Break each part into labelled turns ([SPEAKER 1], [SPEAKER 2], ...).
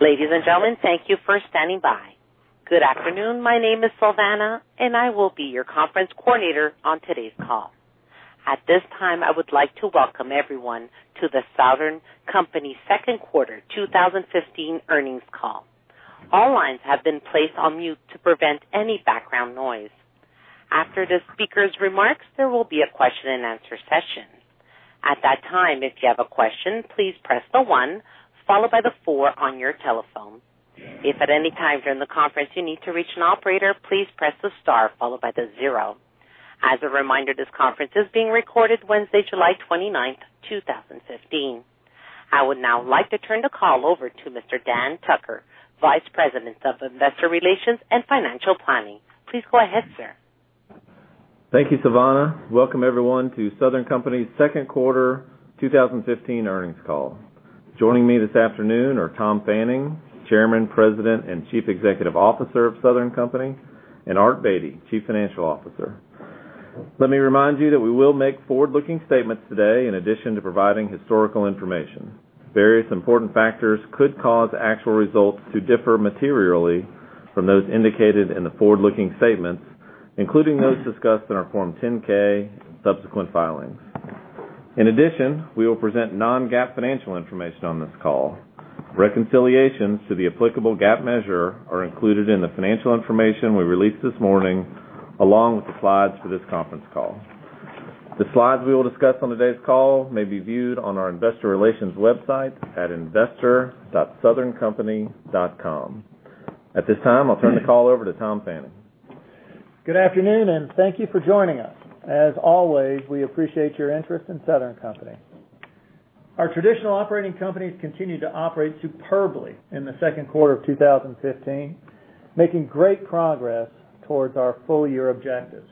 [SPEAKER 1] Ladies and gentlemen, thank you for standing by. Good afternoon. My name is Savannah, and I will be your conference coordinator on today's call. At this time, I would like to welcome everyone to The Southern Company second quarter 2015 earnings call. All lines have been placed on mute to prevent any background noise. After the speaker's remarks, there will be a question and answer session. At that time, if you have a question, please press the one followed by the four on your telephone. If at any time during the conference you need to reach an operator, please press the star followed by the zero. As a reminder, this conference is being recorded Wednesday, July 29th, 2015. I would now like to turn the call over to Mr. Dan Tucker, Vice President of Investor Relations and Financial Planning. Please go ahead, sir.
[SPEAKER 2] Thank you, Savannah. Welcome, everyone, to Southern Company's second quarter 2015 earnings call. Joining me this afternoon are Tom Fanning, Chairman, President, and Chief Executive Officer of Southern Company, and Art Beattie, Chief Financial Officer. Let me remind you that we will make forward-looking statements today in addition to providing historical information. Various important factors could cause actual results to differ materially from those indicated in the forward-looking statements, including those discussed in our Form 10-K and subsequent filings. In addition, we will present non-GAAP financial information on this call. Reconciliations to the applicable GAAP measure are included in the financial information we released this morning, along with the slides for this conference call. The slides we will discuss on today's call may be viewed on our investor relations website at investor.southerncompany.com. At this time, I'll turn the call over to Tom Fanning.
[SPEAKER 3] Good afternoon. Thank you for joining us. As always, we appreciate your interest in Southern Company. Our traditional operating companies continued to operate superbly in the second quarter of 2015, making great progress towards our full-year objectives.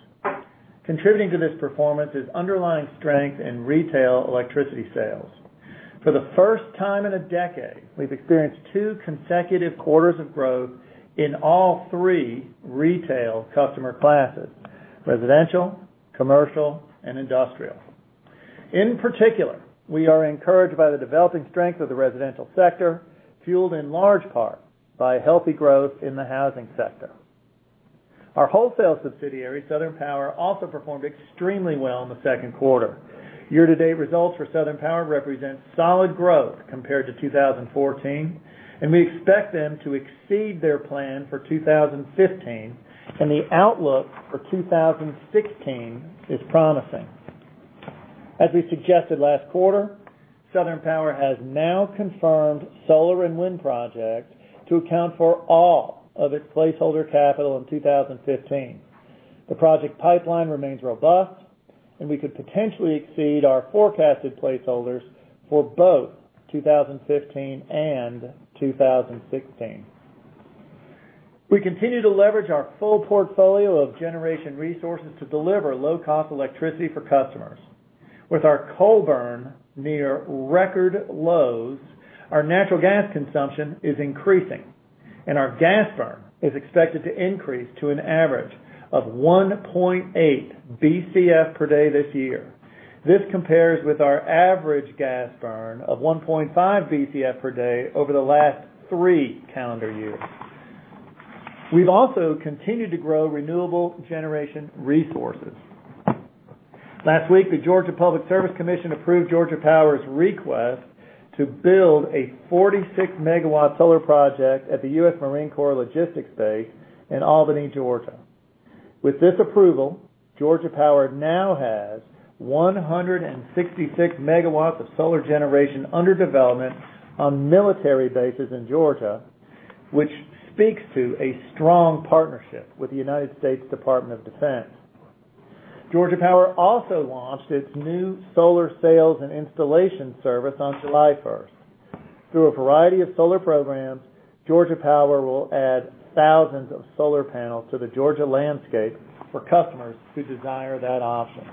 [SPEAKER 3] Contributing to this performance is underlying strength in retail electricity sales. For the first time in a decade, we've experienced two consecutive quarters of growth in all 3 retail customer classes, residential, commercial, and industrial. In particular, we are encouraged by the developing strength of the residential sector, fueled in large part by healthy growth in the housing sector. Our wholesale subsidiary, Southern Power, also performed extremely well in the second quarter. Year-to-date results for Southern Power represent solid growth compared to 2014. We expect them to exceed their plan for 2015. The outlook for 2016 is promising. As we suggested last quarter, Southern Power has now confirmed solar and wind projects to account for all of its placeholder capital in 2015. The project pipeline remains robust. We could potentially exceed our forecasted placeholders for both 2015 and 2016. We continue to leverage our full portfolio of generation resources to deliver low-cost electricity for customers. With our coal burn near record lows, our natural gas consumption is increasing. Our gas burn is expected to increase to an average of 1.8 BCF per day this year. This compares with our average gas burn of 1.5 BCF per day over the last three calendar years. We've also continued to grow renewable generation resources. Last week, the Georgia Public Service Commission approved Georgia Power's request to build a 46-megawatt solar project at the U.S. Marine Corps Logistics Base Albany. With this approval, Georgia Power now has 166 megawatts of solar generation under development on military bases in Georgia, which speaks to a strong partnership with the United States Department of Defense. Georgia Power also launched its new solar sales and installation service on July 1st. Through a variety of solar programs, Georgia Power will add thousands of solar panels to the Georgia landscape for customers who desire that option.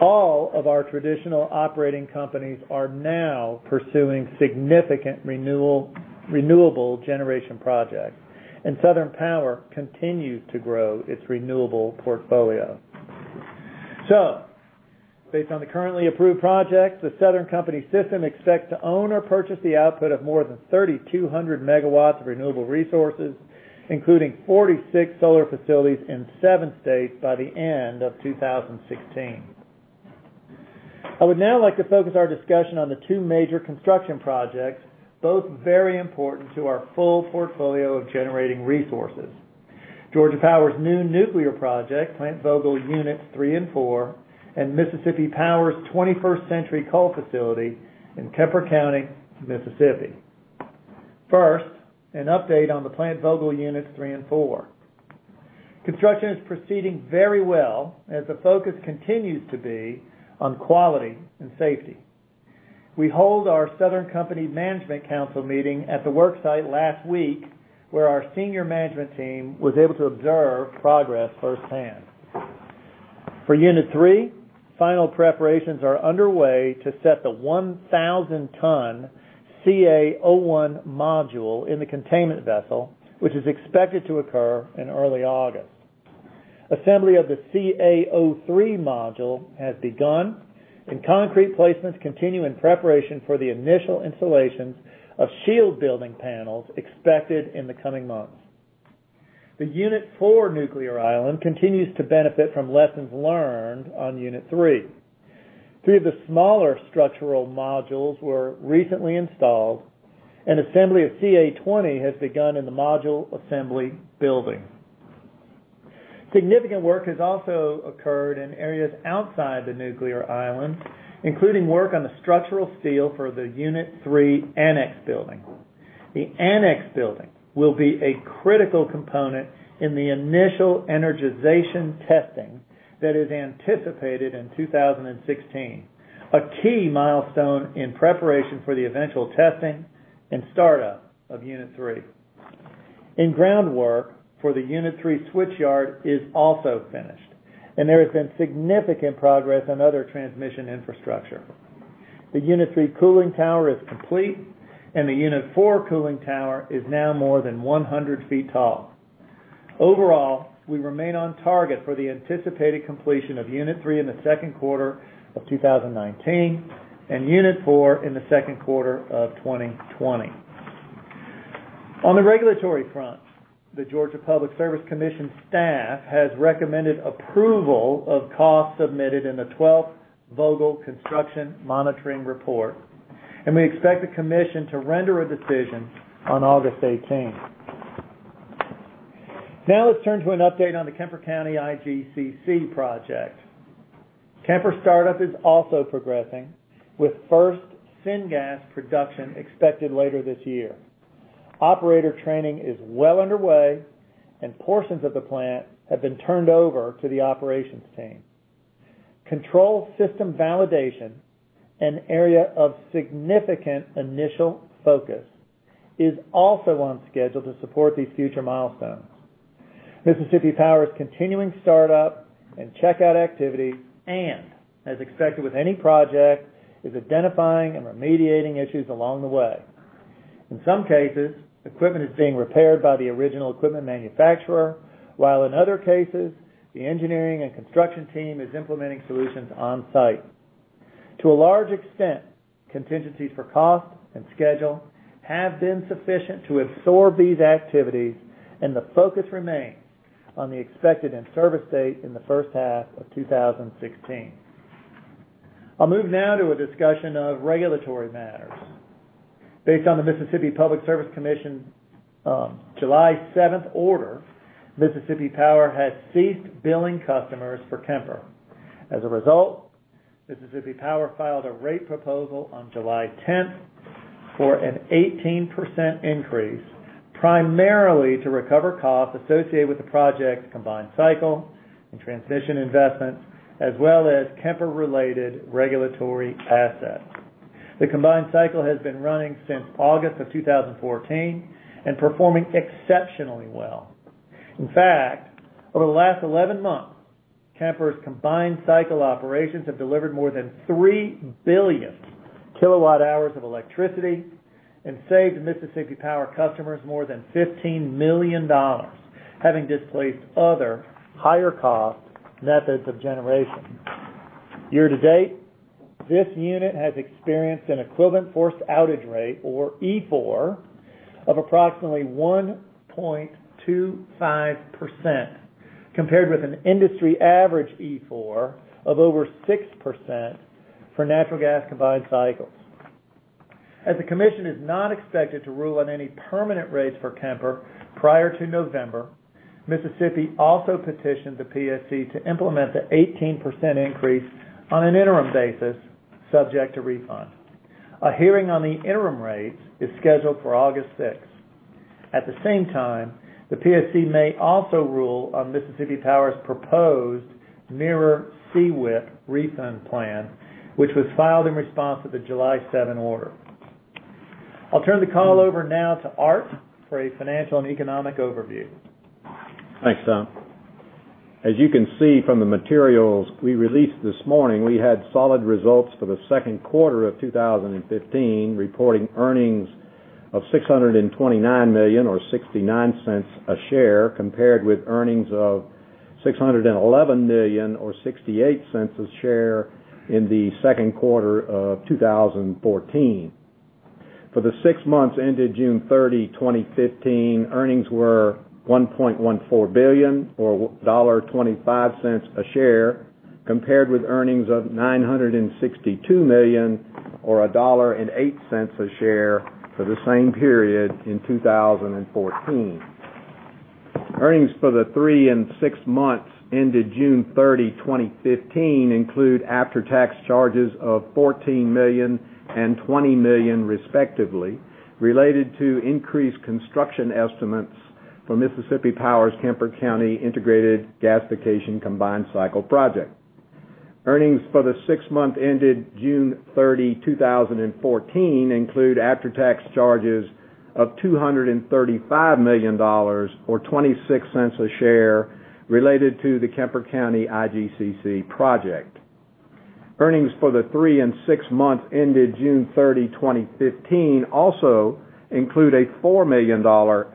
[SPEAKER 3] All of our traditional operating companies are now pursuing significant renewable generation projects, and Southern Power continues to grow its renewable portfolio. Based on the currently approved projects, The Southern Company system expects to own or purchase the output of more than 3,200 megawatts of renewable resources, including 46 solar facilities in seven states by the end of 2016. I would now like to focus our discussion on the two major construction projects, both very important to our full portfolio of generating resources. Georgia Power's new nuclear project, Plant Vogtle Units 3 and 4, and Mississippi Power's 21st-century coal facility in Kemper County, Mississippi. First, an update on the Plant Vogtle Units 3 and 4. Construction is proceeding very well as the focus continues to be on quality and safety. We held our Southern Company Management Council meeting at the work site last week, where our senior management team was able to observe progress firsthand. For Unit 3, final preparations are underway to set the 1,000-ton CA01 module in the containment vessel, which is expected to occur in early August. Assembly of the CA03 module has begun, and concrete placements continue in preparation for the initial installations of shield building panels expected in the coming months. The Unit 4 nuclear island continues to benefit from lessons learned on Unit 3. Three of the smaller structural modules were recently installed, and assembly of CA20 has begun in the module assembly building. Significant work has also occurred in areas outside the nuclear island, including work on the structural steel for the Unit 3 annex building. The annex building will be a critical component in the initial energization testing that is anticipated in 2016, a key milestone in preparation for the eventual testing and startup of Unit 3. Groundwork for the Unit 3 switch yard is also finished. There has been significant progress on other transmission infrastructure. The Unit 3 cooling tower is complete, and the Unit 4 cooling tower is now more than 100 feet tall. Overall, we remain on target for the anticipated completion of Unit 3 in the second quarter of 2019, and Unit 4 in the second quarter of 2020. On the regulatory front, the Georgia Public Service Commission staff has recommended approval of costs submitted in the 12th Vogtle construction monitoring report, and we expect the commission to render a decision on August 18th. Let's turn to an update on the Kemper County IGCC project. Kemper startup is also progressing with first syngas production expected later this year. Operator training is well underway, and portions of the plant have been turned over to the operations team. Control system validation, an area of significant initial focus, is also on schedule to support these future milestones. Mississippi Power is continuing startup and checkout activity, and as expected with any project, is identifying and remediating issues along the way. In some cases, equipment is being repaired by the original equipment manufacturer. While in other cases, the engineering and construction team is implementing solutions on-site. To a large extent, contingencies for cost and schedule have been sufficient to absorb these activities, and the focus remains on the expected in-service date in the first half of 2016. I'll move now to a discussion of regulatory matters. Based on the Mississippi Public Service Commission July 7th order, Mississippi Power has ceased billing customers for Kemper. As a result, Mississippi Power filed a rate proposal on July 10th for an 18% increase, primarily to recover costs associated with the project's combined cycle and transition investments, as well as Kemper-related regulatory assets. The combined cycle has been running since August of 2014 and performing exceptionally well. In fact, over the last 11 months, Kemper's combined cycle operations have delivered more than 3 billion kilowatt hours of electricity and saved Mississippi Power customers more than $15 million, having displaced other higher-cost methods of generation. Year to date, this unit has experienced an equivalent forced outage rate, or EFOR, of approximately 1.25%, compared with an industry average EFOR of over 6% for natural gas combined cycles. As the commission is not expected to rule on any permanent rates for Kemper prior to November, Mississippi also petitioned the PSC to implement the 18% increase on an interim basis subject to refund. A hearing on the interim rates is scheduled for August 6th. At the same time, the PSC may also rule on Mississippi Power's proposed mirror CWIP refund plan, which was filed in response to the July 7 order. I'll turn the call over now to Art for a financial and economic overview.
[SPEAKER 4] Thanks, Tom. As you can see from the materials we released this morning, we had solid results for the second quarter of 2015, reporting earnings of $629 million or $0.69 a share, compared with earnings of $611 million or $0.68 a share in the second quarter of 2014. For the six months ended June 30, 2015, earnings were $1.14 billion or $1.25 a share, compared with earnings of $962 million or $1.08 a share for the same period in 2014. Earnings for the three and six months ended June 30, 2015 include after-tax charges of $14 million and $20 million respectively, related to increased construction estimates for Mississippi Power's Kemper County Integrated Gasification Combined Cycle project. Earnings for the six month ended June 30, 2014 include after-tax charges of $235 million or $0.26 a share related to the Kemper County IGCC project. Earnings for the three and six months ended June 30, 2015 also include a $4 million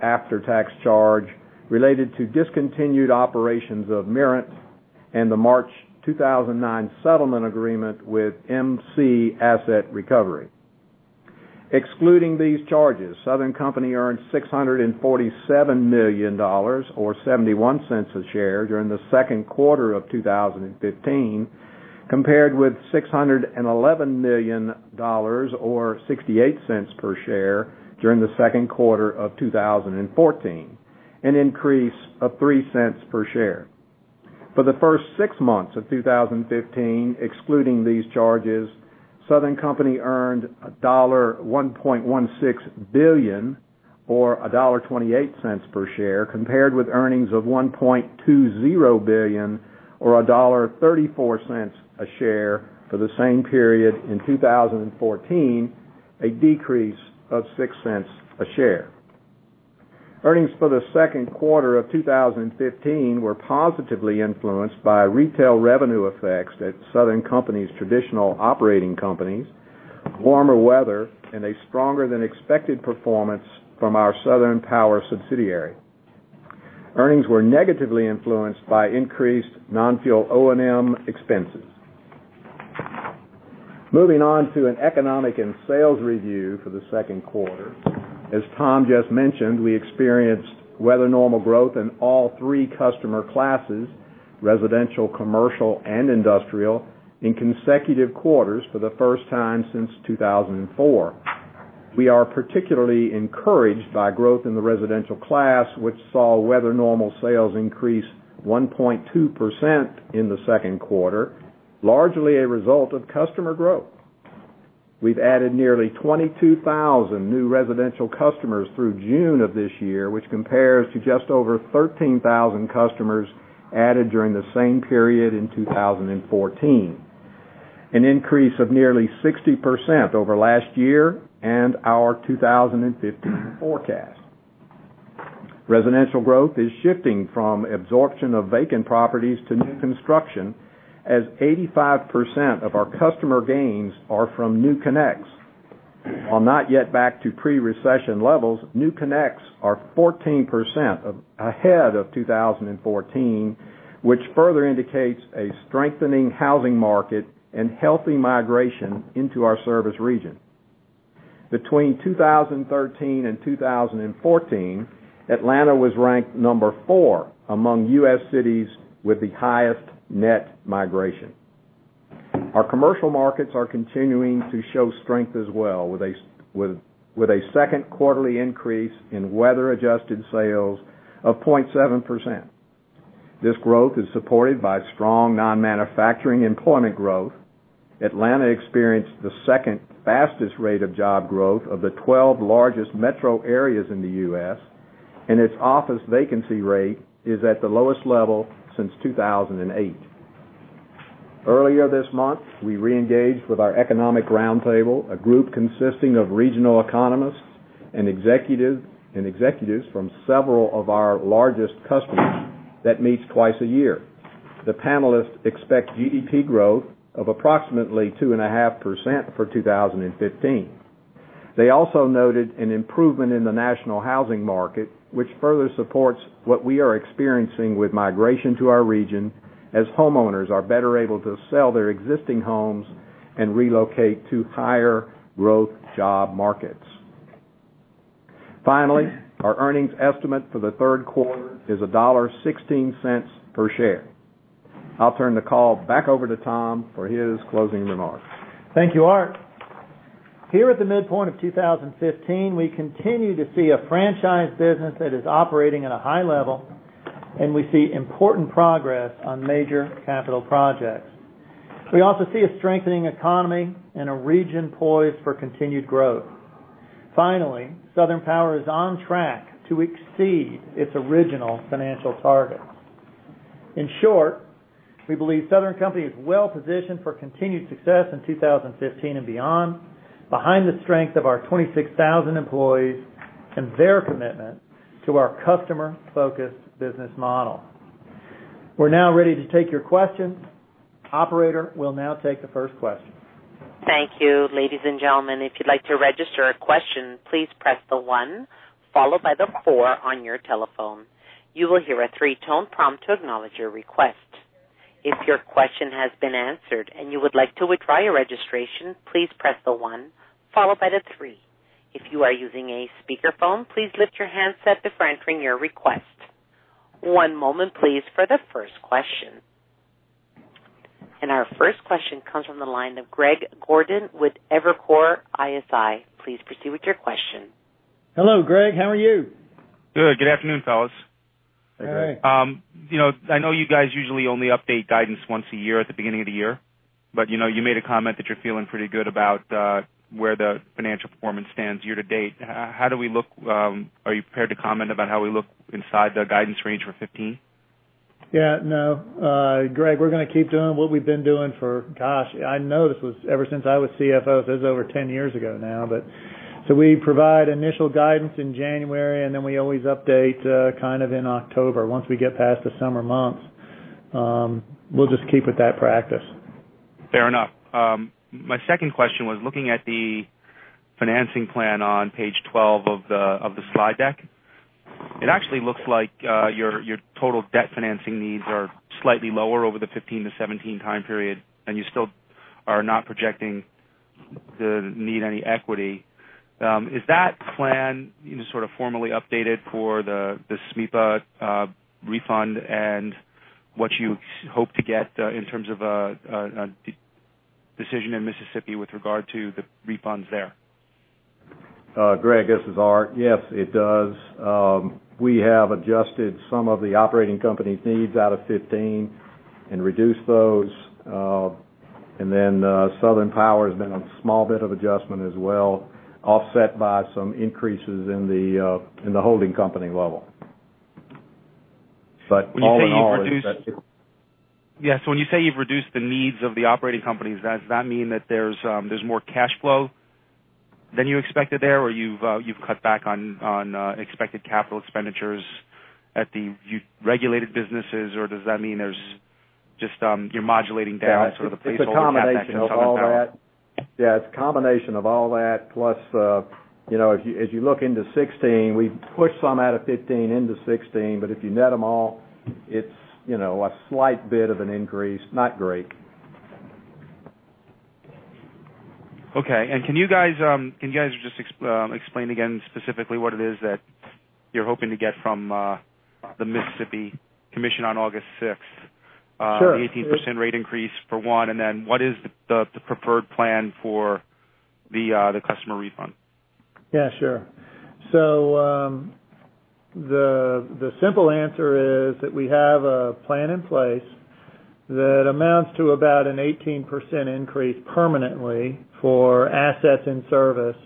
[SPEAKER 4] after-tax charge related to discontinued operations of Mirant and the March 2009 settlement agreement with MC Asset Recovery. Excluding these charges, Southern Company earned $647 million or $0.71 a share during the second quarter of 2015, compared with $611 million or $0.68 per share during the second quarter of 2014, an increase of $0.03 per share. For the first six months of 2015, excluding these charges, Southern Company earned $1.16 billion or $1.28 per share, compared with earnings of $1.20 billion or $1.34 a share for the same period in 2014, a decrease of $0.06 a share. Earnings for the second quarter of 2015 were positively influenced by retail revenue effects at Southern Company's traditional operating companies, warmer weather, and a stronger than expected performance from our Southern Power subsidiary. Earnings were negatively influenced by increased non-fuel O&M expenses. Moving on to an economic and sales review for the second quarter. As Tom just mentioned, we experienced weather normal growth in all three customer classes, residential, commercial, and industrial, in consecutive quarters for the first time since 2004. We are particularly encouraged by growth in the residential class, which saw weather normal sales increase 1.2% in the second quarter, largely a result of customer growth. We've added nearly 22,000 new residential customers through June of this year, which compares to just over 13,000 customers added during the same period in 2014. An increase of nearly 60% over last year and our 2015 forecast. Residential growth is shifting from absorption of vacant properties to new construction, as 85% of our customer gains are from new connects. While not yet back to pre-recession levels, new connects are 14% ahead of 2014, which further indicates a strengthening housing market and healthy migration into our service region. Between 2013 and 2014, Atlanta was ranked number 4 among U.S. cities with the highest net migration. Our commercial markets are continuing to show strength as well, with a second quarterly increase in weather-adjusted sales of 0.7%. This growth is supported by strong non-manufacturing employment growth. Atlanta experienced the second fastest rate of job growth of the 12 largest metro areas in the U.S., and its office vacancy rate is at the lowest level since 2008. Earlier this month, we reengaged with our economic roundtable, a group consisting of regional economists and executives from several of our largest customers that meets twice a year. The panelists expect GDP growth of approximately 2.5% for 2015. They also noted an improvement in the national housing market, which further supports what we are experiencing with migration to our region as homeowners are better able to sell their existing homes and relocate to higher growth job markets. Finally, our earnings estimate for the third quarter is $1.16 per share. I'll turn the call back over to Tom for his closing remarks.
[SPEAKER 3] Thank you, Art. Here at the midpoint of 2015, we continue to see a franchise business that is operating at a high level, and we see important progress on major capital projects. We also see a strengthening economy and a region poised for continued growth. Finally, Southern Power is on track to exceed its original financial targets. In short, we believe Southern Company is well-positioned for continued success in 2015 and beyond, behind the strength of our 26,000 employees and their commitment to our customer-focused business model. We're now ready to take your questions. Operator, we'll now take the first question.
[SPEAKER 1] Thank you. Ladies and gentlemen, if you'd like to register a question, please press the one followed by the four on your telephone. You will hear a three-tone prompt to acknowledge your request. If your question has been answered and you would like to withdraw your registration, please press the one followed by the three. If you are using a speakerphone, please lift your handset before entering your request. One moment, please, for the first question. Our first question comes from the line of Greg Gordon with Evercore ISI. Please proceed with your question.
[SPEAKER 3] Hello, Greg. How are you?
[SPEAKER 5] Good. Good afternoon, fellas. Hey. I know you guys usually only update guidance once a year at the beginning of the year. You made a comment that you're feeling pretty good about where the financial performance stands year to date. Are you prepared to comment about how we look inside the guidance range for 2015?
[SPEAKER 3] Yeah, no. Greg, we're going to keep doing what we've been doing for, gosh, I know this was ever since I was CFO. This is over 10 years ago now. We provide initial guidance in January, then we always update kind of in October. Once we get past the summer months, we'll just keep with that practice.
[SPEAKER 5] Fair enough. My second question was looking at the financing plan on page 12 of the slide deck. It actually looks like your total debt financing needs are slightly lower over the 2015 to 2017 time period. You still are not projecting the need any equity. Is that plan sort of formally updated for the SMEPA refund and what you hope to get in terms of a decision in Mississippi with regard to the refunds there?
[SPEAKER 4] Greg, this is Art. Yes, it does. We have adjusted some of the operating company's needs out of 2015 and reduced those. Then Southern Power has been a small bit of adjustment as well, offset by some increases in the holding company level. All in all.
[SPEAKER 5] Yes. When you say you've reduced the needs of the operating companies, does that mean that there's more cash flow than you expected there, or you've cut back on expected capital expenditures at the regulated businesses or does that mean there's just you're modulating down sort of the pace at Southern Power?
[SPEAKER 4] Yeah, it's a combination of all that plus if you look into 2016, we pushed some out of 2015 into 2016, but if you net them all, it's a slight bit of an increase. Not great.
[SPEAKER 5] Okay. Can you guys just explain again specifically what it is that you're hoping to get from the Mississippi Commission on August 6th?
[SPEAKER 3] Sure.
[SPEAKER 5] 18% rate increase for one, and then what is the preferred plan for the customer refund?
[SPEAKER 3] The simple answer is that we have a plan in place that amounts to about an 18% increase permanently for assets and service,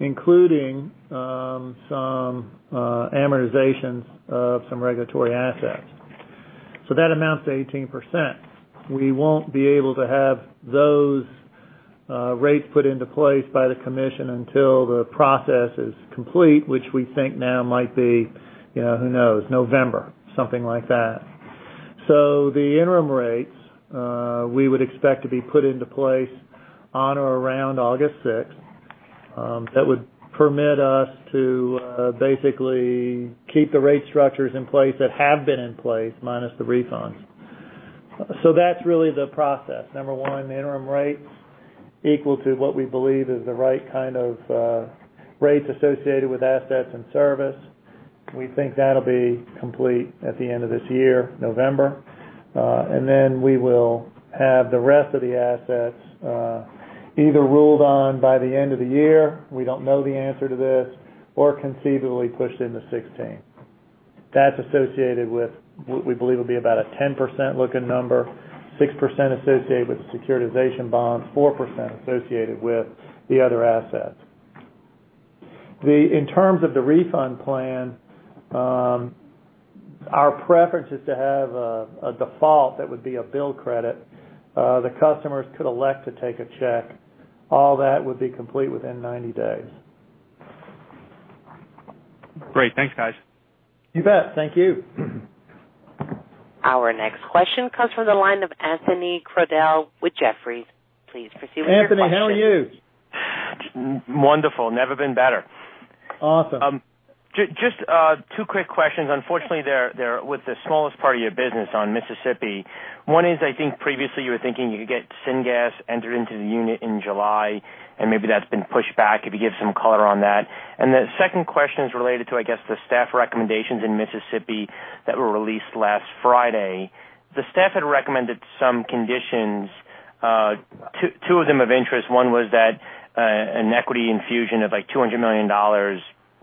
[SPEAKER 3] including some amortizations of some regulatory assets. That amounts to 18%. We won't be able to have those rates put into place by the commission until the process is complete, which we think now might be, who knows, November, something like that. The interim rates we would expect to be put into place on or around August 6th. That would permit us to basically keep the rate structures in place that have been in place minus the refunds. That's really the process. Number one, the interim rates equal to what we believe is the right kind of rates associated with assets and service. We think that'll be complete at the end of this year, November. We will have the rest of the assets either ruled on by the end of the year, we don't know the answer to this, or conceivably pushed into 2016. That's associated with what we believe will be about a 10% looking number, 6% associated with the securitization bonds, 4% associated with the other assets. In terms of the refund plan, our preference is to have a default that would be a bill credit. The customers could elect to take a check. All that would be complete within 90 days.
[SPEAKER 5] Great. Thanks, guys.
[SPEAKER 3] You bet. Thank you.
[SPEAKER 1] Our next question comes from the line of Anthony Crowdell with Jefferies. Please proceed with your question.
[SPEAKER 3] Anthony, how are you?
[SPEAKER 6] Wonderful. Never been better.
[SPEAKER 3] Awesome.
[SPEAKER 6] Just two quick questions. Unfortunately, they're with the smallest part of your business on Mississippi. One is, I think previously you were thinking you'd get syngas entered into unit in July, and maybe that's been pushed back. If you could give some color on that. Second question is related to, I guess, the staff recommendations in Mississippi that were released last Friday. The staff had recommended some conditions, two of them of interest. One was that an equity infusion of like $200 million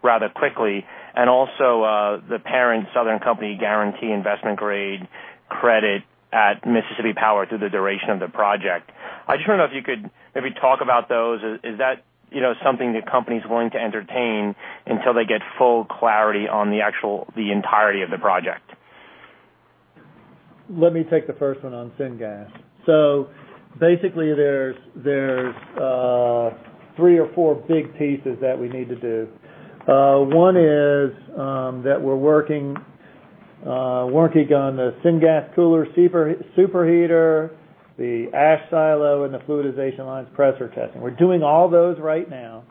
[SPEAKER 6] rather quickly, and also, the parent Southern Company guarantee investment grade credit at Mississippi Power through the duration of the project. I just wonder if you could maybe talk about those. Is that something the company's willing to entertain until they get full clarity on the entirety of the project?
[SPEAKER 3] Let me take the first one on syngas. Basically, there's three or four big pieces that we need to do. One is that we're working on the syngas cooler superheater, the ash silo, and the fluidization lines pressure testing. We're doing all those right now.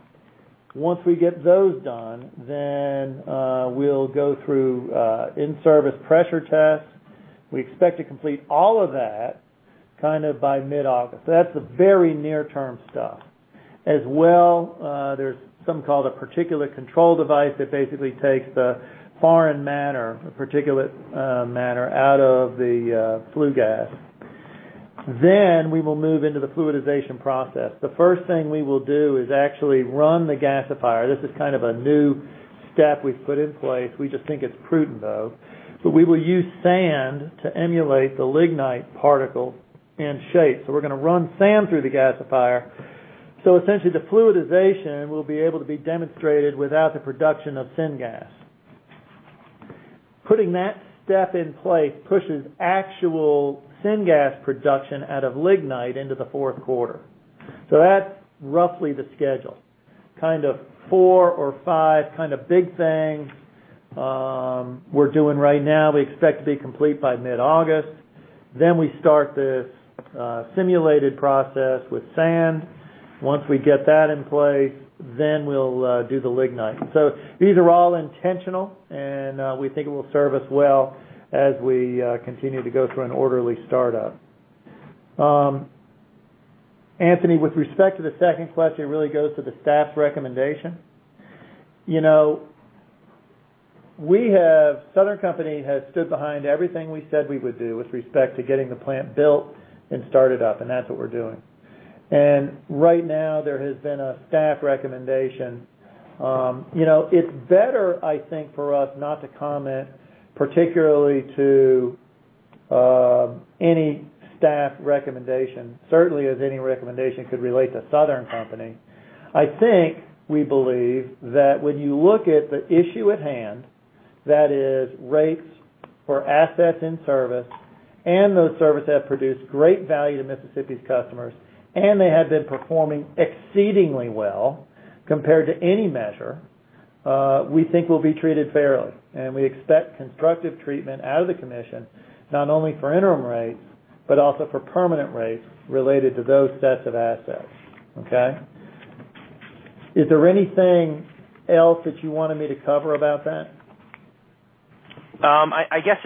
[SPEAKER 3] Once we get those done, then we'll go through in-service pressure tests. We expect to complete all of that kind of by mid-August. That's the very near-term stuff. As well, there's something called a particulate control device that basically takes the foreign matter, the particulate matter, out of the flue gas. We will move into the fluidization process. The first thing we will do is actually run the gasifier. This is kind of a new step we've put in place. We just think it's prudent, though. We will use sand to emulate the lignite particle end shape. We're going to run sand through the gasifier. Essentially the fluidization will be able to be demonstrated without the production of syngas. Putting that step in place pushes actual syngas production out of lignite into the fourth quarter. That's roughly the schedule. Four or five big things we're doing right now. We expect to be complete by mid-August. We start this simulated process with sand. Once we get that in place, then we'll do the lignite. These are all intentional, and we think it will serve us well as we continue to go through an orderly startup. Anthony, with respect to the second question, it really goes to the staff's recommendation. The Southern Company has stood behind everything we said we would do with respect to getting the plant built and started up, and that's what we're doing. Right now, there has been a staff recommendation. It's better, I think, for us not to comment, particularly to any staff recommendation. Certainly, as any recommendation could relate to Southern Company. I think we believe that when you look at the issue at hand, that is rates for assets and service, and those service have produced great value to Mississippi's customers, and they have been performing exceedingly well compared to any measure, we think we'll be treated fairly. We expect constructive treatment out of the commission, not only for interim rates, but also for permanent rates related to those sets of assets. Okay? Is there anything else that you wanted me to cover about that?
[SPEAKER 6] I guess,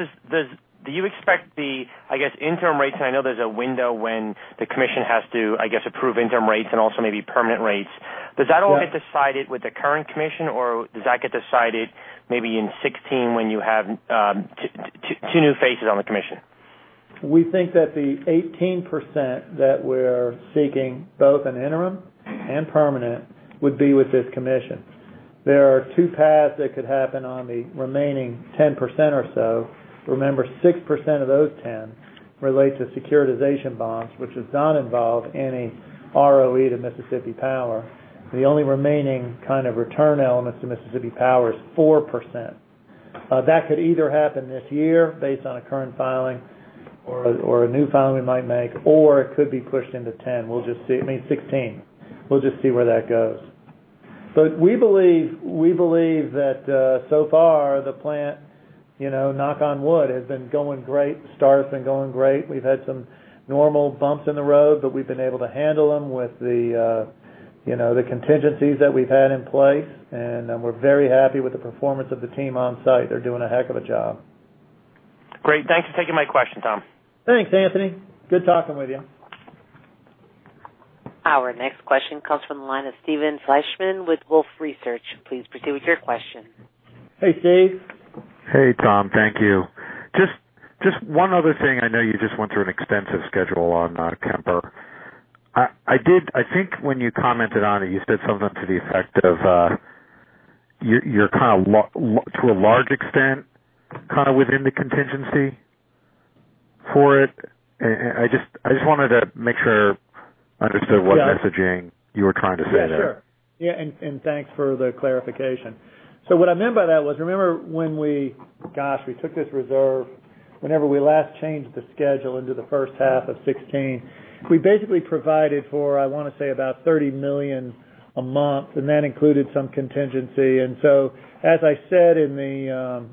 [SPEAKER 6] do you expect the interim rates? I know there's a window when the commission has to, I guess, approve interim rates and also maybe permanent rates. Does that all get decided with the current commission, or does that get decided maybe in 2016 when you have two new faces on the commission?
[SPEAKER 3] We think that the 18% that we're seeking, both in interim and permanent, would be with this commission. There are two paths that could happen on the remaining 10% or so. Remember, 6% of those 10 relate to securitization bonds, which does not involve any ROE to Mississippi Power. The only remaining return elements to Mississippi Power is 4%. That could either happen this year based on a current filing or a new filing we might make, or it could be pushed into 2016. We'll just see where that goes. We believe that so far the plant, knock on wood, has been going great. Start has been going great. We've had some normal bumps in the road, but we've been able to handle them with the contingencies that we've had in place. We're very happy with the performance of the team on-site. They're doing a heck of a job.
[SPEAKER 6] Great. Thanks for taking my question, Tom.
[SPEAKER 3] Thanks, Anthony. Good talking with you.
[SPEAKER 1] Our next question comes from the line of Steven Fleishman with Wolfe Research. Please proceed with your question.
[SPEAKER 3] Hey, Steve.
[SPEAKER 7] Hey, Tom. Thank you. Just one other thing. I know you just went through an extensive schedule on Kemper. I think when you commented on it, you said something to the effect of, you're to a large extent within the contingency for it. I just wanted to make sure I understood what messaging you were trying to say there.
[SPEAKER 3] Yeah, sure. Thanks for the clarification. What I meant by that was, remember when we took this reserve, whenever we last changed the schedule into the first half of 2016. We basically provided for, I want to say, about $30 million a month, and that included some contingency. As I said in the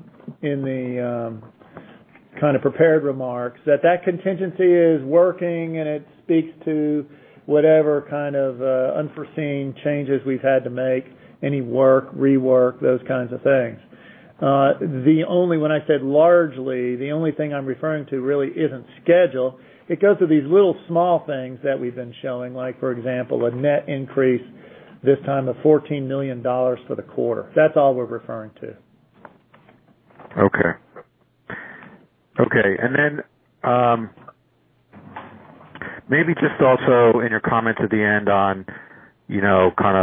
[SPEAKER 3] prepared remarks, that contingency is working, and it speaks to whatever kind of unforeseen changes we've had to make, any work, rework, those kinds of things. When I said largely, the only thing I'm referring to really isn't schedule. It goes to these little small things that we've been showing, like for example, a net increase this time of $14 million for the quarter. That's all we're referring to.
[SPEAKER 7] Okay. Then maybe just also in your comments at the end on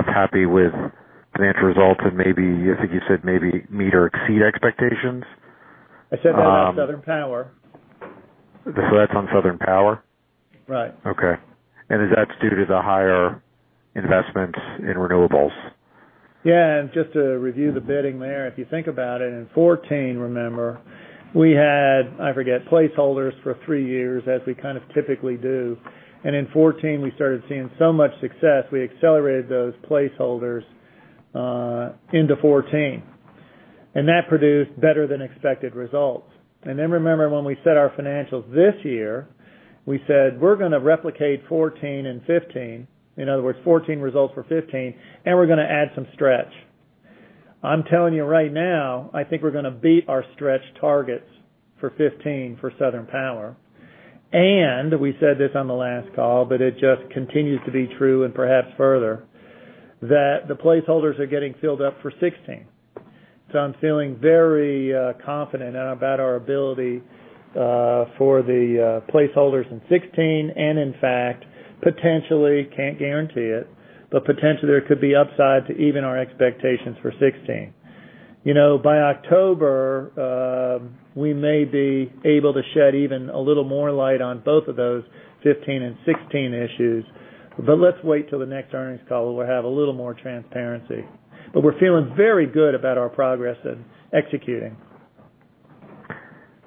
[SPEAKER 7] happy with financial results and maybe, I think you said maybe meet or exceed expectations.
[SPEAKER 3] I said that on Southern Power.
[SPEAKER 7] That's on Southern Power?
[SPEAKER 3] Right.
[SPEAKER 7] Okay. Is that due to the higher investments in renewables?
[SPEAKER 3] Yeah. Just to review the bidding there, if you think about it, in 2014, remember, we had, I forget, placeholders for three years as we kind of typically do. In 2014, we started seeing so much success, we accelerated those placeholders into 2014. That produced better than expected results. Then remember when we set our financials this year, we said we are going to replicate 2014 and 2015. In other words, 2014 results for 2015, and we are going to add some stretch. I am telling you right now, I think we are going to beat our stretch targets for 2015 for Southern Power. We said this on the last call, but it just continues to be true and perhaps further, that the placeholders are getting filled up for 2016. I am feeling very confident about our ability for the placeholders in 2016, and in fact, potentially cannot guarantee it, but potentially there could be upside to even our expectations for 2016. By October, we may be able to shed even a little more light on both of those 2015 and 2016 issues. Let us wait till the next earnings call where we will have a little more transparency. We are feeling very good about our progress in executing.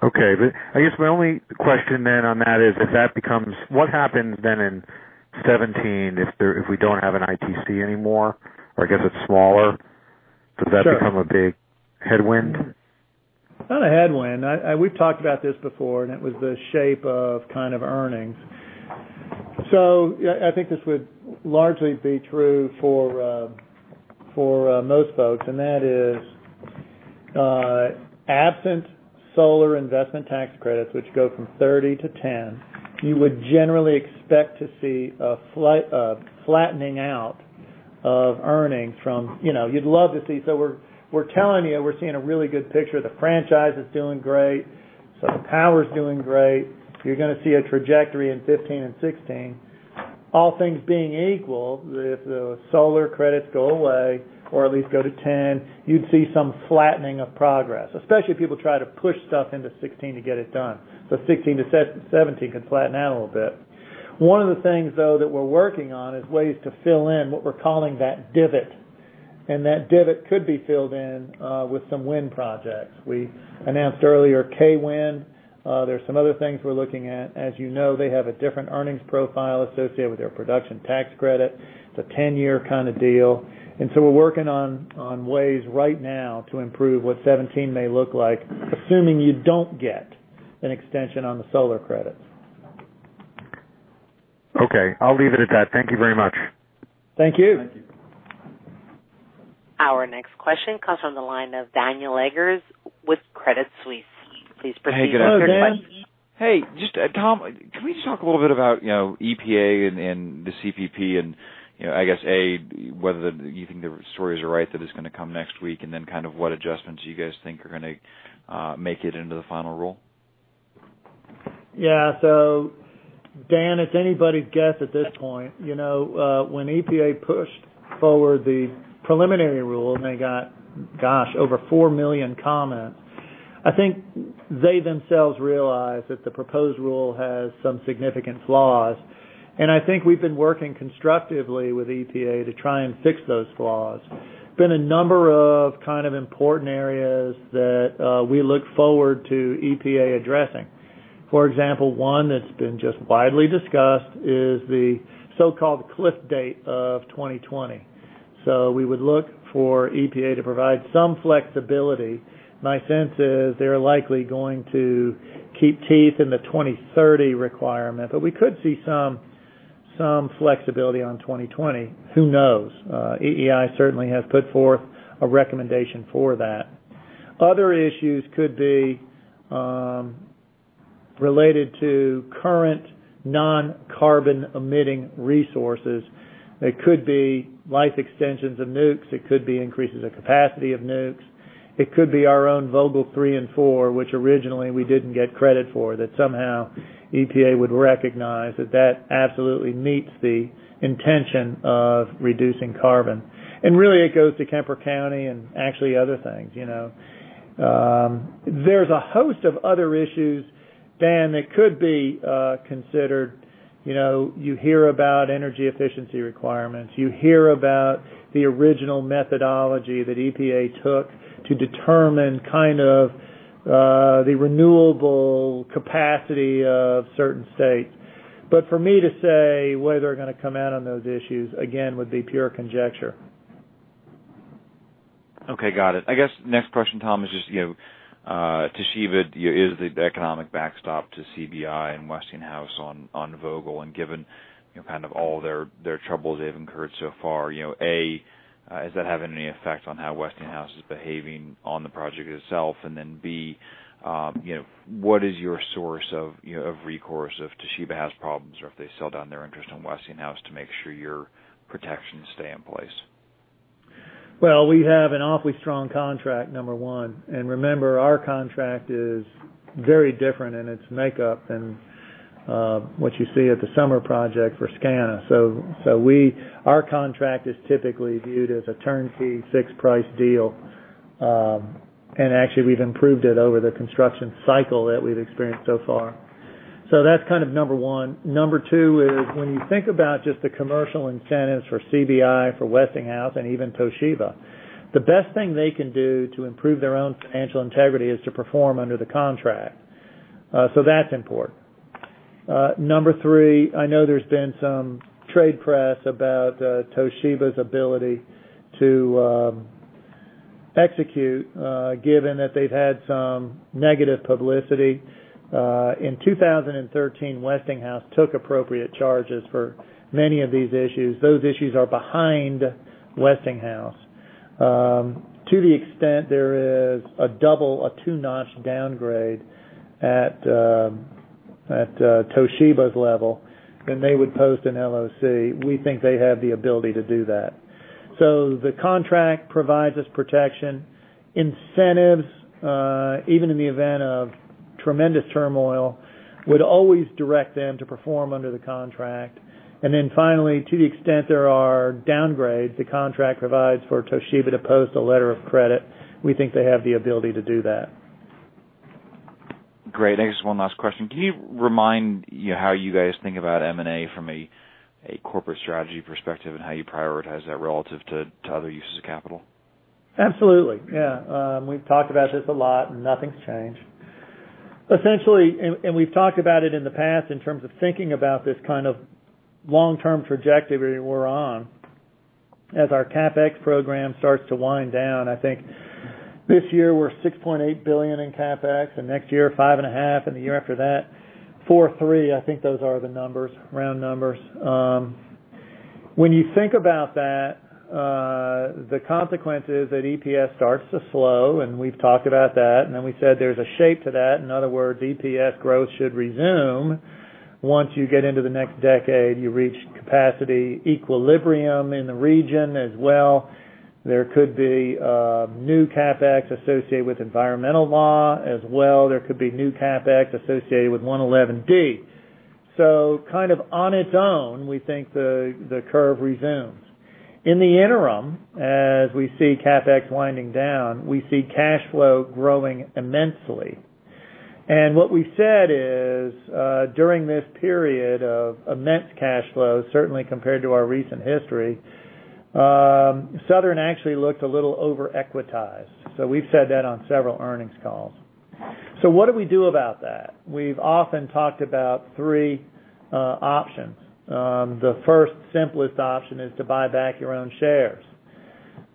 [SPEAKER 7] Okay. I guess my only question then on that is, what happens then in 2017 if we do not have an ITC anymore, or it gets smaller?
[SPEAKER 3] Sure.
[SPEAKER 7] Does that become a big headwind?
[SPEAKER 3] Not a headwind. It was the shape of earnings. I think this would largely be true for most folks, and that is, absent solar investment tax credits, which go from 30 to 10, you would generally expect to see a flattening out of earnings. We're telling you, we're seeing a really good picture. The franchise is doing great. Southern Power's doing great. You're going to see a trajectory in 2015 and 2016. All things being equal, if the solar credits go away, or at least go to 10, you'd see some flattening of progress, especially if people try to push stuff into 2016 to get it done. 2016 to 2017 could flatten out a little bit. One of the things, though, that we're working on is ways to fill in what we're calling that divot, and that divot could be filled in with some wind projects. We announced earlier Kay Wind. There's some other things we're looking at. As you know, they have a different earnings profile associated with their production tax credit. It's a 10-year kind of deal. We're working on ways right now to improve what 2017 may look like, assuming you don't get an extension on the solar credits.
[SPEAKER 7] Okay. I'll leave it at that. Thank you very much.
[SPEAKER 3] Thank you.
[SPEAKER 4] Thank you.
[SPEAKER 1] Our next question comes from the line of Daniel Eggers with Credit Suisse. Please proceed with your question.
[SPEAKER 8] Hey. Good afternoon.
[SPEAKER 3] Hi, Dan.
[SPEAKER 8] Hey, Tom, can we just talk a little bit about EPA and the CPP, and I guess, A, whether you think the stories are right that it's going to come next week, and then what adjustments you guys think are going to make it into the final rule?
[SPEAKER 3] Yeah. Dan, it's anybody's guess at this point. When EPA pushed forward the preliminary rule and they got, gosh, over 4 million comments, I think they themselves realized that the proposed rule has some significant flaws. I think we've been working constructively with EPA to try and fix those flaws. There've been a number of important areas that we look forward to EPA addressing. For example, one that's been just widely discussed is the so-called cliff date of 2020. We would look for EPA to provide some flexibility. My sense is they're likely going to keep teeth in the 2030 requirement. We could see some flexibility on 2020. Who knows? EEI certainly has put forth a recommendation for that. Other issues could be related to current non-carbon emitting resources. It could be life extensions of nukes. It could be increases of capacity of nukes. It could be our own Vogtle 3 and 4, which originally we didn't get credit for, that somehow EPA would recognize that that absolutely meets the intention of reducing carbon. Really, it goes to Kemper County and actually other things. There's a host of other issues, Dan, that could be considered. You hear about energy efficiency requirements. You hear about the original methodology that EPA took to determine the renewable capacity of certain states. For me to say where they're going to come out on those issues, again, would be pure conjecture.
[SPEAKER 8] Okay, got it. I guess next question, Tom, is just Toshiba is the economic backstop to CBI and Westinghouse on Vogtle. Given all their troubles they've incurred so far, A, is that having any effect on how Westinghouse is behaving on the project itself? B, what is your source of recourse if Toshiba has problems or if they sell down their interest in Westinghouse to make sure your protections stay in place?
[SPEAKER 3] Well, we have an awfully strong contract, number 1. Remember, our contract is very different in its makeup than what you see at the Summer project for SCANA. Our contract is typically viewed as a turnkey fixed price deal. Actually, we've improved it over the construction cycle that we've experienced so far. That's number 1. Number 2 is when you think about just the commercial incentives for CBI, for Westinghouse, and even Toshiba, the best thing they can do to improve their own financial integrity is to perform under the contract. That's important. Number 3, I know there's been some trade press about Toshiba's ability to execute, given that they've had some negative publicity. In 2013, Westinghouse took appropriate charges for many of these issues. Those issues are behind Westinghouse. To the extent there is a double, a 2-notch downgrade at Toshiba's level, they would post an LOC. We think they have the ability to do that. The contract provides us protection. Incentives, even in the event of tremendous turmoil, would always direct them to perform under the contract. Finally, to the extent there are downgrades, the contract provides for Toshiba to post a letter of credit. We think they have the ability to do that.
[SPEAKER 8] Great. I guess one last question. Can you remind how you guys think about M&A from a corporate strategy perspective, how you prioritize that relative to other uses of capital?
[SPEAKER 3] Absolutely. Yeah. We've talked about this a lot. Nothing's changed. Essentially, we've talked about it in the past in terms of thinking about this kind of long-term trajectory we're on. As our CapEx program starts to wind down, I think this year we're $6.8 billion in CapEx, next year $5.5 billion, the year after that, $4 billion, $3 billion. I think those are the numbers, round numbers. When you think about that, the consequence is that EPS starts to slow, we've talked about that. We said there's a shape to that. In other words, EPS growth should resume once you get into the next decade. You reach capacity equilibrium in the region as well. There could be new CapEx associated with environmental law. As well, there could be new CapEx associated with 111D. Kind of on its own, we think the curve resumes. In the interim, as we see CapEx winding down, we see cash flow growing immensely. What we said is, during this period of immense cash flow, certainly compared to our recent history, Southern actually looked a little over-equitized. We've said that on several earnings calls. What do we do about that? We've often talked about three options. The first simplest option is to buy back your own shares.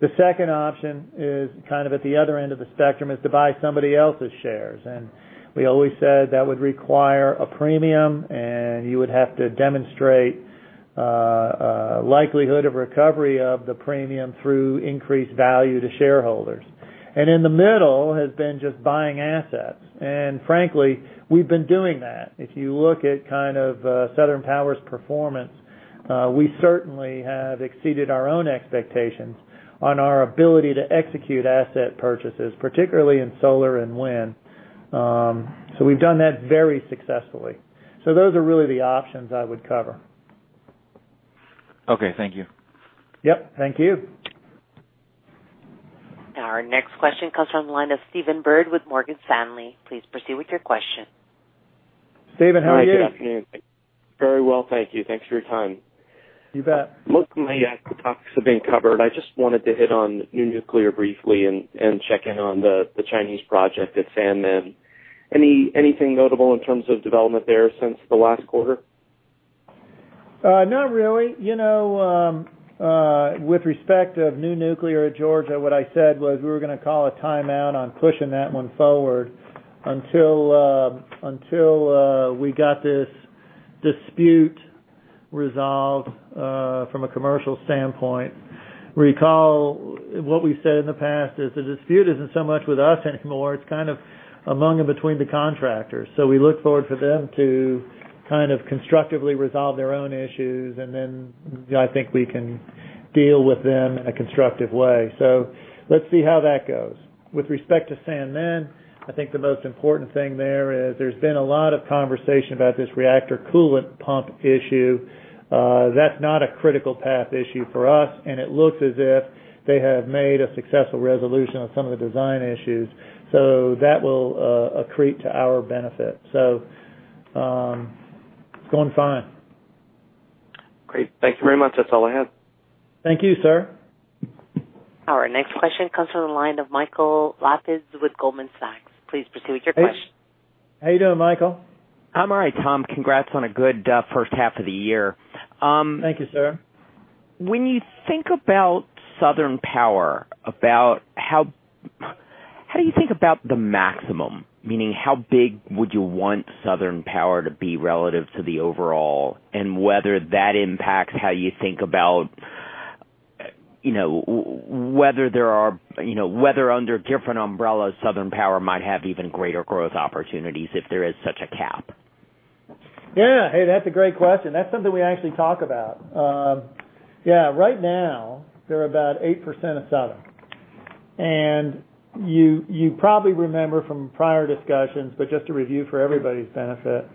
[SPEAKER 3] The second option is kind of at the other end of the spectrum, is to buy somebody else's shares. We always said that would require a premium, and you would have to demonstrate a likelihood of recovery of the premium through increased value to shareholders. In the middle has been just buying assets. Frankly, we've been doing that. If you look at kind of Southern Power's performance, we certainly have exceeded our own expectations on our ability to execute asset purchases, particularly in solar and wind. We've done that very successfully. Those are really the options I would cover.
[SPEAKER 8] Okay. Thank you.
[SPEAKER 3] Yep. Thank you.
[SPEAKER 1] Our next question comes from the line of Stephen Byrd with Morgan Stanley. Please proceed with your question.
[SPEAKER 3] Stephen, how are you?
[SPEAKER 9] Hi, good afternoon. Very well, thank you. Thanks for your time.
[SPEAKER 3] You bet.
[SPEAKER 9] Most of my topics have been covered. I just wanted to hit on new nuclear briefly and check in on the Chinese project at Sanmen. Anything notable in terms of development there since the last quarter?
[SPEAKER 3] Not really. With respect of new nuclear at Georgia, what I said was we were going to call a timeout on pushing that one forward until we got this dispute resolved from a commercial standpoint. Recall what we've said in the past is the dispute isn't so much with us anymore, it's kind of among and between the contractors. We look forward for them to kind of constructively resolve their own issues, and then I think we can deal with them in a constructive way. Let's see how that goes. With respect to Sanmen, I think the most important thing there is there's been a lot of conversation about this reactor coolant pump issue. That's not a critical path issue for us, and it looks as if they have made a successful resolution on some of the design issues. That will accrete to our benefit. It's going fine.
[SPEAKER 9] Great. Thank you very much. That's all I have.
[SPEAKER 3] Thank you, sir.
[SPEAKER 1] Our next question comes from the line of Michael Lapides with Goldman Sachs. Please proceed with your question.
[SPEAKER 3] How are you doing, Michael?
[SPEAKER 10] I'm all right, Tom. Congrats on a good first half of the year.
[SPEAKER 3] Thank you, sir.
[SPEAKER 10] When you think about Southern Power, how do you think about the maximum? Meaning, how big would you want Southern Power to be relative to the overall, and whether that impacts how you think about whether under different umbrellas, Southern Power might have even greater growth opportunities if there is such a cap?
[SPEAKER 3] Yeah. Hey, that's a great question. That's something we actually talk about. Yeah. Right now, they're about 8% of Southern. You probably remember from prior discussions, but just to review for everybody's benefit,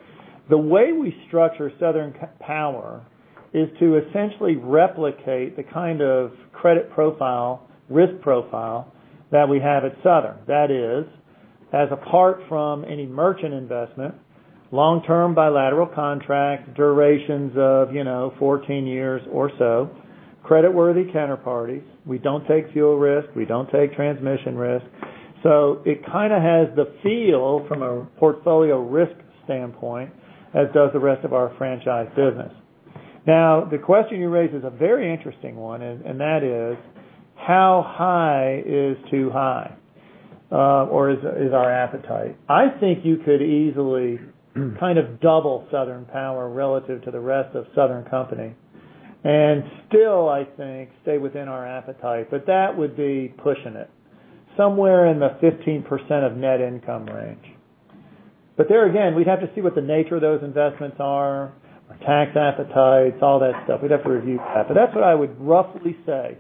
[SPEAKER 3] the way we structure Southern Power is to essentially replicate the kind of credit profile, risk profile that we have at Southern. That is, as apart from any merchant investment, long-term bilateral contract, durations of 14 years or so, creditworthy counterparties. We don't take fuel risk. We don't take transmission risk. It kind of has the feel from a portfolio risk standpoint, as does the rest of our franchise business. Now, the question you raise is a very interesting one, and that is how high is too high? Or is our appetite? I think you could easily kind of double Southern Power relative to the rest of Southern Company, and still, I think, stay within our appetite, that would be pushing it. Somewhere in the 15% of net income range. There again, we'd have to see what the nature of those investments are, our tax appetites, all that stuff. We'd have to review that. That's what I would roughly say.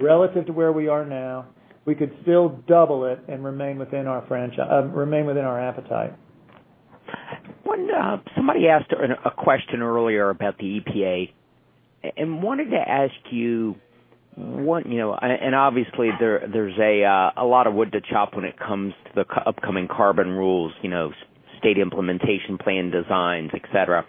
[SPEAKER 3] Relative to where we are now, we could still double it and remain within our appetite.
[SPEAKER 10] Somebody asked a question earlier about the EPA, wanted to ask you, obviously there's a lot of wood to chop when it comes to the upcoming carbon rules, state implementation plan designs, et cetera.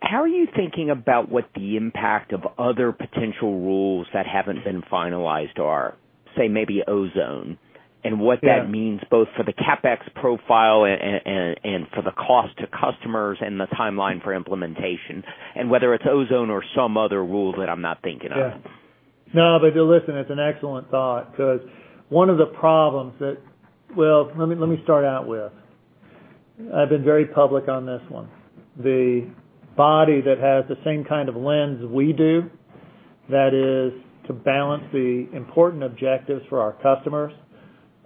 [SPEAKER 10] How are you thinking about what the impact of other potential rules that haven't been finalized are, say maybe ozone?
[SPEAKER 3] Yeah.
[SPEAKER 10] What that means both for the CapEx profile and for the cost to customers and the timeline for implementation, and whether it's ozone or some other rule that I'm not thinking of.
[SPEAKER 3] Listen, it's an excellent thought because one of the problems that let me start out with, I've been very public on this one. The body that has the same kind of lens we do, that is to balance the important objectives for our customers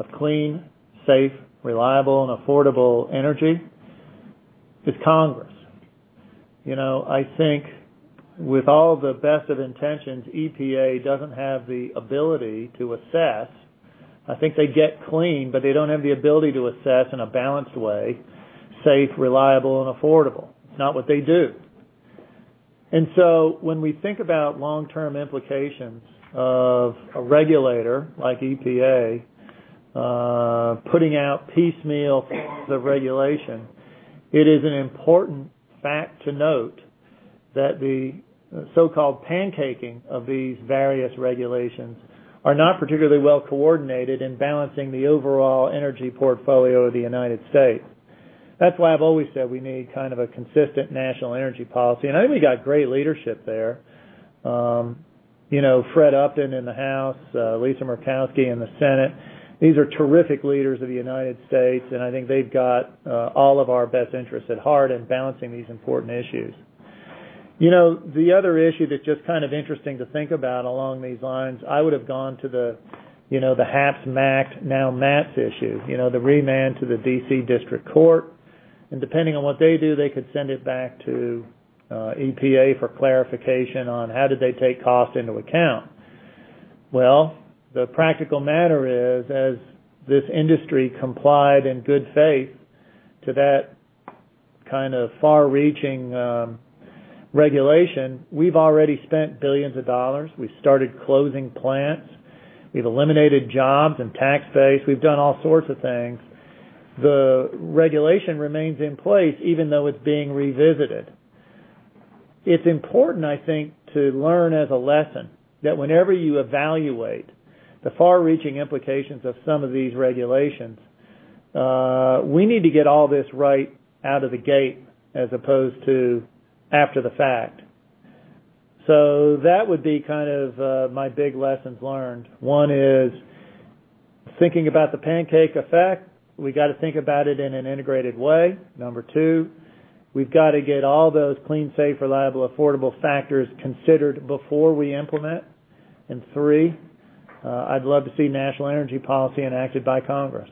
[SPEAKER 3] of clean, safe, reliable, and affordable energy, is Congress. I think with all the best of intentions, EPA doesn't have the ability to assess. I think they get clean, but they don't have the ability to assess in a balanced way, safe, reliable, and affordable. It's not what they do. When we think about long-term implications of a regulator like EPA putting out piecemeal pieces of regulation, it is an important fact to note that the so-called pancaking of these various regulations are not particularly well-coordinated in balancing the overall energy portfolio of the United States. That's why I've always said we need a consistent national energy policy. I think we've got great leadership there. Fred Upton in the House, Lisa Murkowski in the Senate. These are terrific leaders of the United States, and I think they've got all of our best interests at heart in balancing these important issues. The other issue that's just interesting to think about along these lines, I would've gone to the HAPS/MACT, now MATS issue. The remand to the D.C. Circuit Court, and depending on what they do, they could send it back to EPA for clarification on how did they take cost into account. The practical matter is, as this industry complied in good faith to that kind of far-reaching regulation, we've already spent billions of dollars. We've started closing plants. We've eliminated jobs and tax base. We've done all sorts of things. The regulation remains in place, even though it's being revisited. It's important, I think, to learn as a lesson that whenever you evaluate the far-reaching implications of some of these regulations, we need to get all this right out of the gate as opposed to after the fact. That would be my big lessons learned. One is thinking about the pancake effect. We got to think about it in an integrated way. Number two, we've got to get all those clean, safe, reliable, affordable factors considered before we implement. Three, I'd love to see national energy policy enacted by Congress.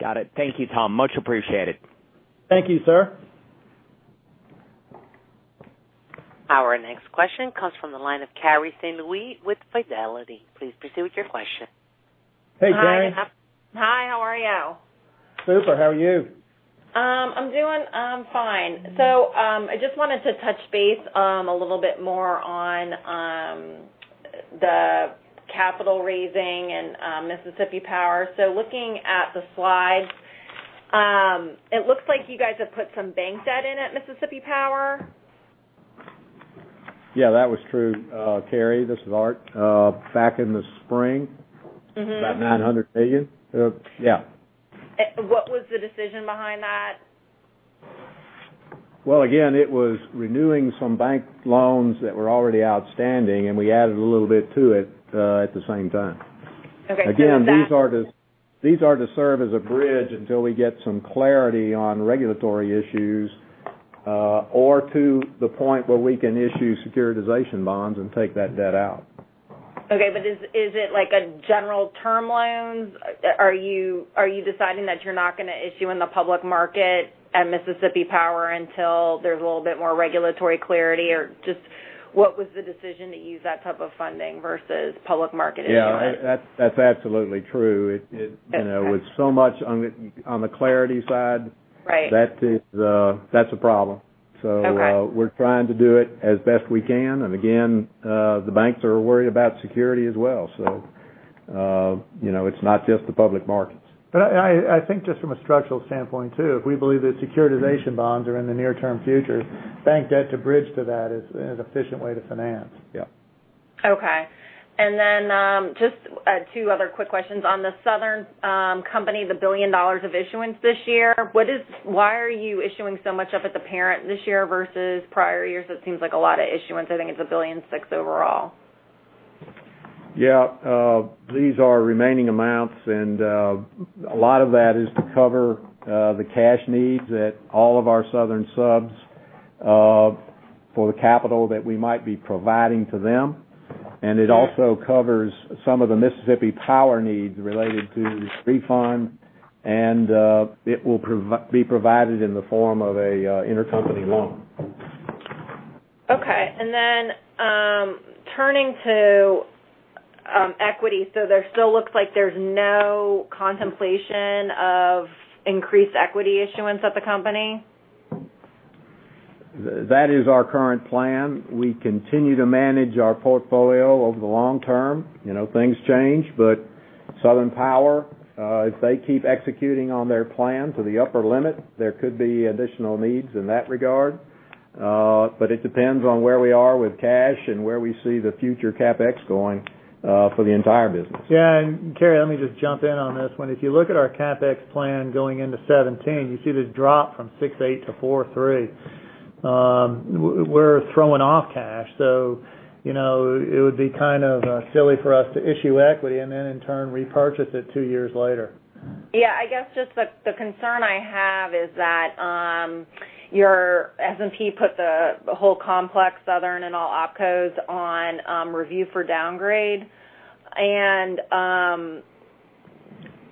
[SPEAKER 10] Got it. Thank you, Tom. Much appreciated.
[SPEAKER 3] Thank you, sir.
[SPEAKER 1] Our next question comes from the line of Carrie Saint Louis with Fidelity. Please proceed with your question.
[SPEAKER 3] Hey, Carrie.
[SPEAKER 11] Hi. How are you?
[SPEAKER 3] Super. How are you?
[SPEAKER 11] I'm doing fine. I just wanted to touch base a little bit more on the capital raising and Mississippi Power. Looking at the slides, it looks like you guys have put some bank debt in at Mississippi Power?
[SPEAKER 4] Yeah, that was true, Carrie. This is Art. Back in the spring.
[SPEAKER 3] About $900 million. Yeah.
[SPEAKER 11] What was the decision behind that?
[SPEAKER 4] Well, again, it was renewing some bank loans that were already outstanding, and we added a little bit to it at the same time. Okay. Again, these are to serve as a bridge until we get some clarity on regulatory issues or to the point where we can issue securitization bonds and take that debt out.
[SPEAKER 11] Okay. Is it like a general term loans? Are you deciding that you're not going to issue in the public market at Mississippi Power until there's a little bit more regulatory clarity? Just what was the decision to use that type of funding versus public market issuance?
[SPEAKER 4] Yeah. That's absolutely true.
[SPEAKER 11] Okay.
[SPEAKER 3] With so much on the clarity side.
[SPEAKER 11] Right
[SPEAKER 4] That's a problem. Okay. We're trying to do it as best we can. Again, the banks are worried about security as well. It's not just the public markets. I think just from a structural standpoint too, if we believe that securitization bonds are in the near-term future, bank debt to bridge to that is an efficient way to finance. Yeah.
[SPEAKER 11] Okay. Just two other quick questions. On the Southern Company, the $1 billion of issuance this year. Why are you issuing so much up at the parent this year versus prior years? It seems like a lot of issuance. I think it's $1.6 billion overall.
[SPEAKER 4] Yeah. These are remaining amounts and a lot of that is to cover the cash needs at all of our Southern subs for the capital that we might be providing to them. It also covers some of the Mississippi Power needs related to refund, and it will be provided in the form of a intercompany loan.
[SPEAKER 11] Okay. Turning to equity. There still looks like there's no contemplation of increased equity issuance at the company?
[SPEAKER 4] That is our current plan. We continue to manage our portfolio over the long term. Things change. Southern Power, if they keep executing on their plan to the upper limit, there could be additional needs in that regard. It depends on where we are with cash and where we see the future CapEx going for the entire business.
[SPEAKER 3] Yeah. Carrie, let me just jump in on this one. If you look at our CapEx plan going into 2017, you see this drop from $6.8 to $4.3. We're throwing off cash. It would be kind of silly for us to issue equity and then in turn repurchase it 2 years later.
[SPEAKER 11] Yeah. I guess just the concern I have is that S&P put the whole complex, Southern and all opcos, on review for downgrade.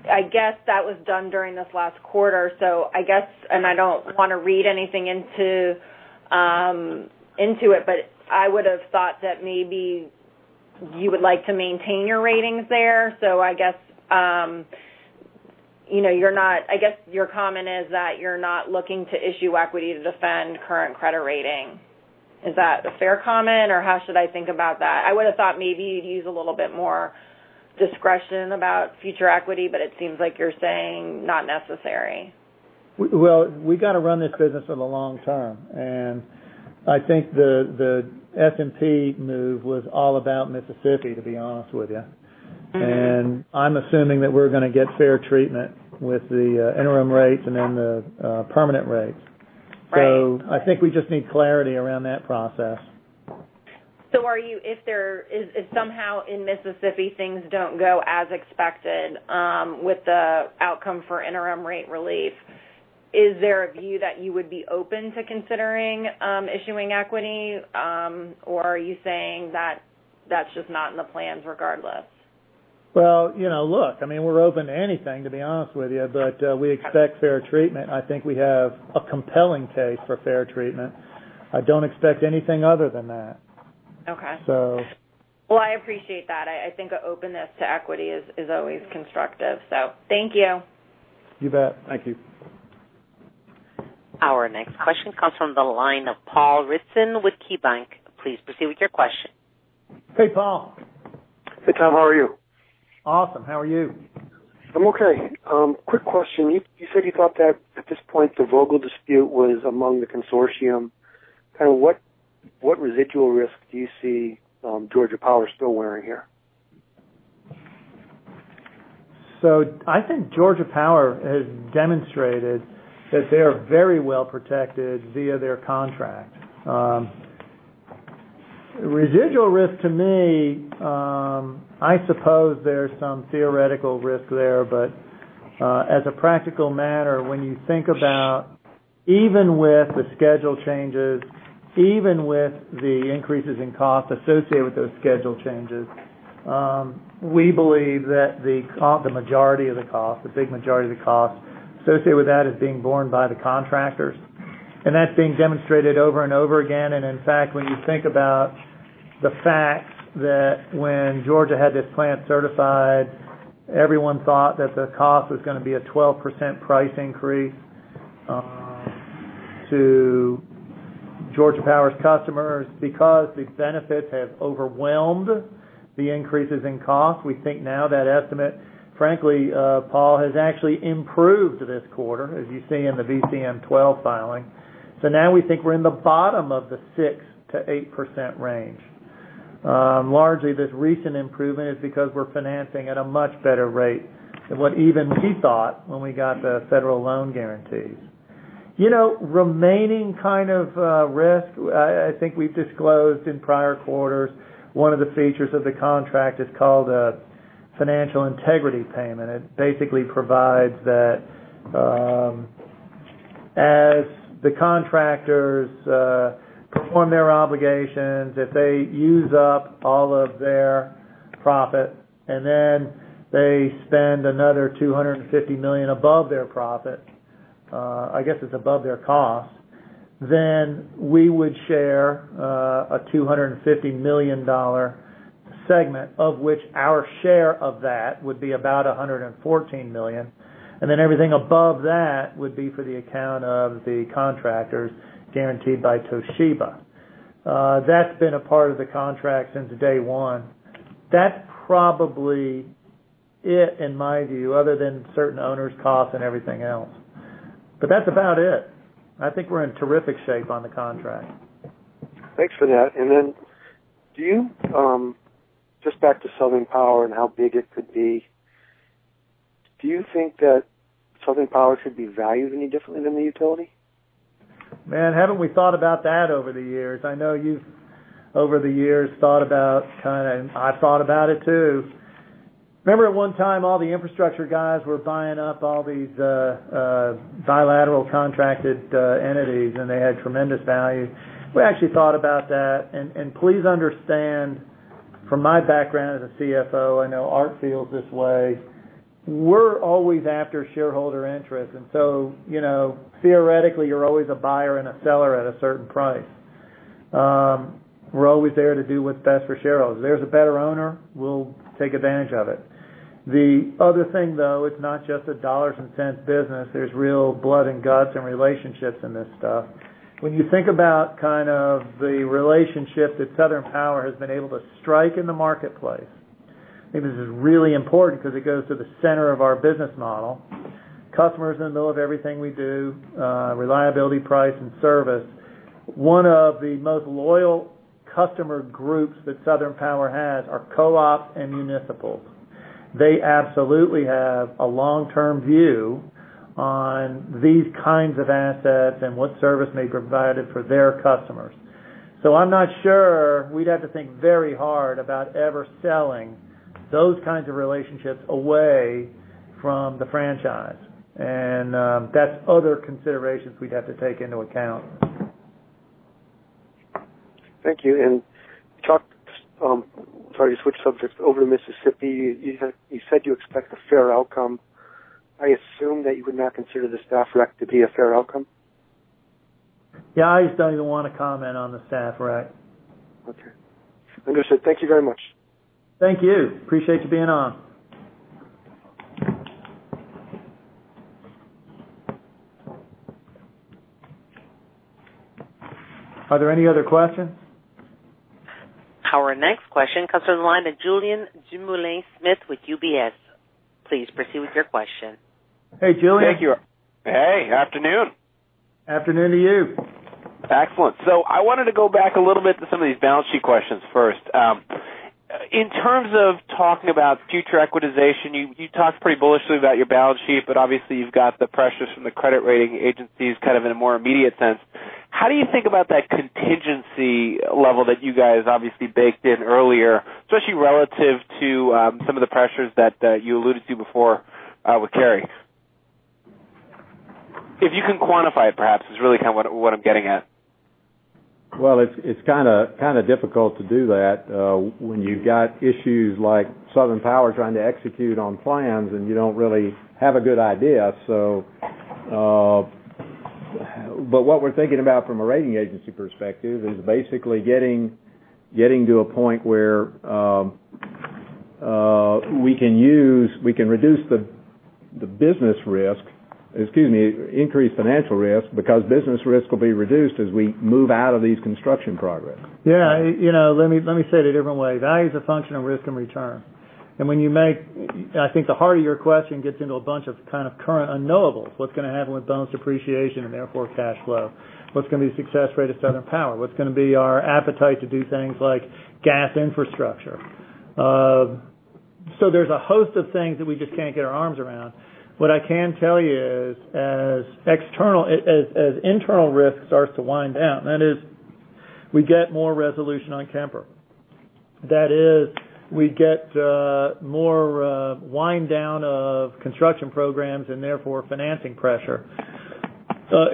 [SPEAKER 11] I guess that was done during this last quarter. I guess, and I don't want to read anything into it, but I would've thought that maybe you would like to maintain your ratings there. I guess your comment is that you're not looking to issue equity to defend current credit rating. Is that a fair comment, or how should I think about that? I would've thought maybe you'd use a little bit more discretion about future equity, but it seems like you're saying not necessary.
[SPEAKER 4] Well, we got to run this business for the long term, and I think the S&P move was all about Mississippi, to be honest with you.
[SPEAKER 3] I'm assuming that we're going to get fair treatment with the interim rates and then the permanent rates. Right. I think we just need clarity around that process.
[SPEAKER 11] If somehow in Mississippi things don't go as expected with the outcome for interim rate relief, is there a view that you would be open to considering issuing equity? Or are you saying that that's just not in the plans regardless?
[SPEAKER 3] Well, look, we're open to anything, to be honest with you. We expect fair treatment, and I think we have a compelling case for fair treatment. I don't expect anything other than that.
[SPEAKER 11] Okay.
[SPEAKER 3] So.
[SPEAKER 11] Well, I appreciate that. I think an openness to equity is always constructive. Thank you.
[SPEAKER 3] You bet. Thank you.
[SPEAKER 1] Our next question comes from the line of Paul Ridzon with KeyBank. Please proceed with your question.
[SPEAKER 3] Hey, Paul.
[SPEAKER 12] Hey, Tom. How are you?
[SPEAKER 3] Awesome. How are you?
[SPEAKER 12] I'm okay. Quick question. You said you thought that at this point the Vogtle dispute was among the consortium. What residual risk do you see Georgia Power still wearing here?
[SPEAKER 3] I think Georgia Power has demonstrated that they are very well protected via their contract. Residual risk to me, I suppose there's some theoretical risk there. As a practical matter, when you think about even with the schedule changes, even with the increases in cost associated with those schedule changes, we believe that the majority of the cost, the big majority of the cost associated with that is being borne by the contractors. That's being demonstrated over and over again. In fact, when you think about the fact that when Georgia had this plant certified, everyone thought that the cost was going to be a 12% price increase to Georgia Power's customers. Because the benefits have overwhelmed the increases in cost, we think now that estimate, frankly, Paul, has actually improved this quarter, as you see in the VCM 12 filing. Now we think we're in the bottom of the 6%-8% range. Largely, this recent improvement is because we're financing at a much better rate than what even we thought when we got the federal loan guarantees. Remaining kind of risk, I think we've disclosed in prior quarters, one of the features of the contract is called a financial integrity payment. It basically provides that as the contractors perform their obligations, if they use up all of their profit, then they spend another $250 million above their profit, I guess it's above their cost, then we would share a $250 million segment, of which our share of that would be about $114 million. Everything above that would be for the account of the contractors guaranteed by Toshiba. That's been a part of the contract since day one. That's probably it, in my view, other than certain owners' costs and everything else. That's about it. I think we're in terrific shape on the contract.
[SPEAKER 12] Thanks for that. Then, just back to Southern Power and how big it could be. Do you think that Southern Power should be valued any differently than the utility?
[SPEAKER 3] Man, haven't we thought about that over the years? I know you've, over the years, thought about it. I've thought about it too. Remember at one time, all the infrastructure guys were buying up all these bilateral contracted entities, and they had tremendous value. We actually thought about that. Please understand from my background as a CFO, I know Art feels this way. We're always after shareholder interest. So, theoretically, you're always a buyer and a seller at a certain price. We're always there to do what's best for shareholders. If there's a better owner, we'll take advantage of it. The other thing, though, it's not just a dollars and cents business. There's real blood and guts and relationships in this stuff. When you think about the relationship that Southern Power has been able to strike in the marketplace I think this is really important because it goes to the center of our business model. Customers are in the middle of everything we do, reliability, price, and service. One of the most loyal customer groups that Southern Power has are co-ops and municipals. They absolutely have a long-term view on these kinds of assets and what service may be provided for their customers. I'm not sure, we'd have to think very hard about ever selling those kinds of relationships away from the franchise. That's other considerations we'd have to take into account.
[SPEAKER 12] Thank you. Sorry to switch subjects. Over in Mississippi, you said you expect a fair outcome. I assume that you would not consider the staff rec to be a fair outcome?
[SPEAKER 3] Yeah, I just don't even want to comment on the staff rec.
[SPEAKER 12] Okay. Understood. Thank you very much.
[SPEAKER 3] Thank you. Appreciate you being on. Are there any other questions?
[SPEAKER 1] Our next question comes from the line of Julien Dumoulin-Smith with UBS. Please proceed with your question.
[SPEAKER 3] Hey, Julien.
[SPEAKER 13] Thank you. Hey, good afternoon.
[SPEAKER 3] Afternoon to you.
[SPEAKER 13] I wanted to go back a little bit to some of these balance sheet questions first. In terms of talking about future equitization, you talked pretty bullishly about your balance sheet, but obviously you've got the pressures from the credit rating agencies kind of in a more immediate sense. How do you think about that contingency level that you guys obviously baked in earlier, especially relative to some of the pressures that you alluded to before with Carrie? If you can quantify it perhaps, is really what I'm getting at.
[SPEAKER 4] It's kind of difficult to do that when you've got issues like Southern Power trying to execute on plans and you don't really have a good idea. What we're thinking about from a rating agency perspective is basically getting to a point where we can reduce the business risk. Excuse me, increase financial risk because business risk will be reduced as we move out of these construction programs.
[SPEAKER 3] Let me say it a different way. Value is a function of risk and return. I think the heart of your question gets into a bunch of kind of current unknowables. What's going to happen with bonus depreciation and therefore cash flow? What's going to be the success rate of Southern Power? What's going to be our appetite to do things like gas infrastructure? There's a host of things that we just can't get our arms around. What I can tell you is, as internal risk starts to wind down, that is, we get more resolution on Kemper. That is, we get more wind down of construction programs and therefore financing pressure.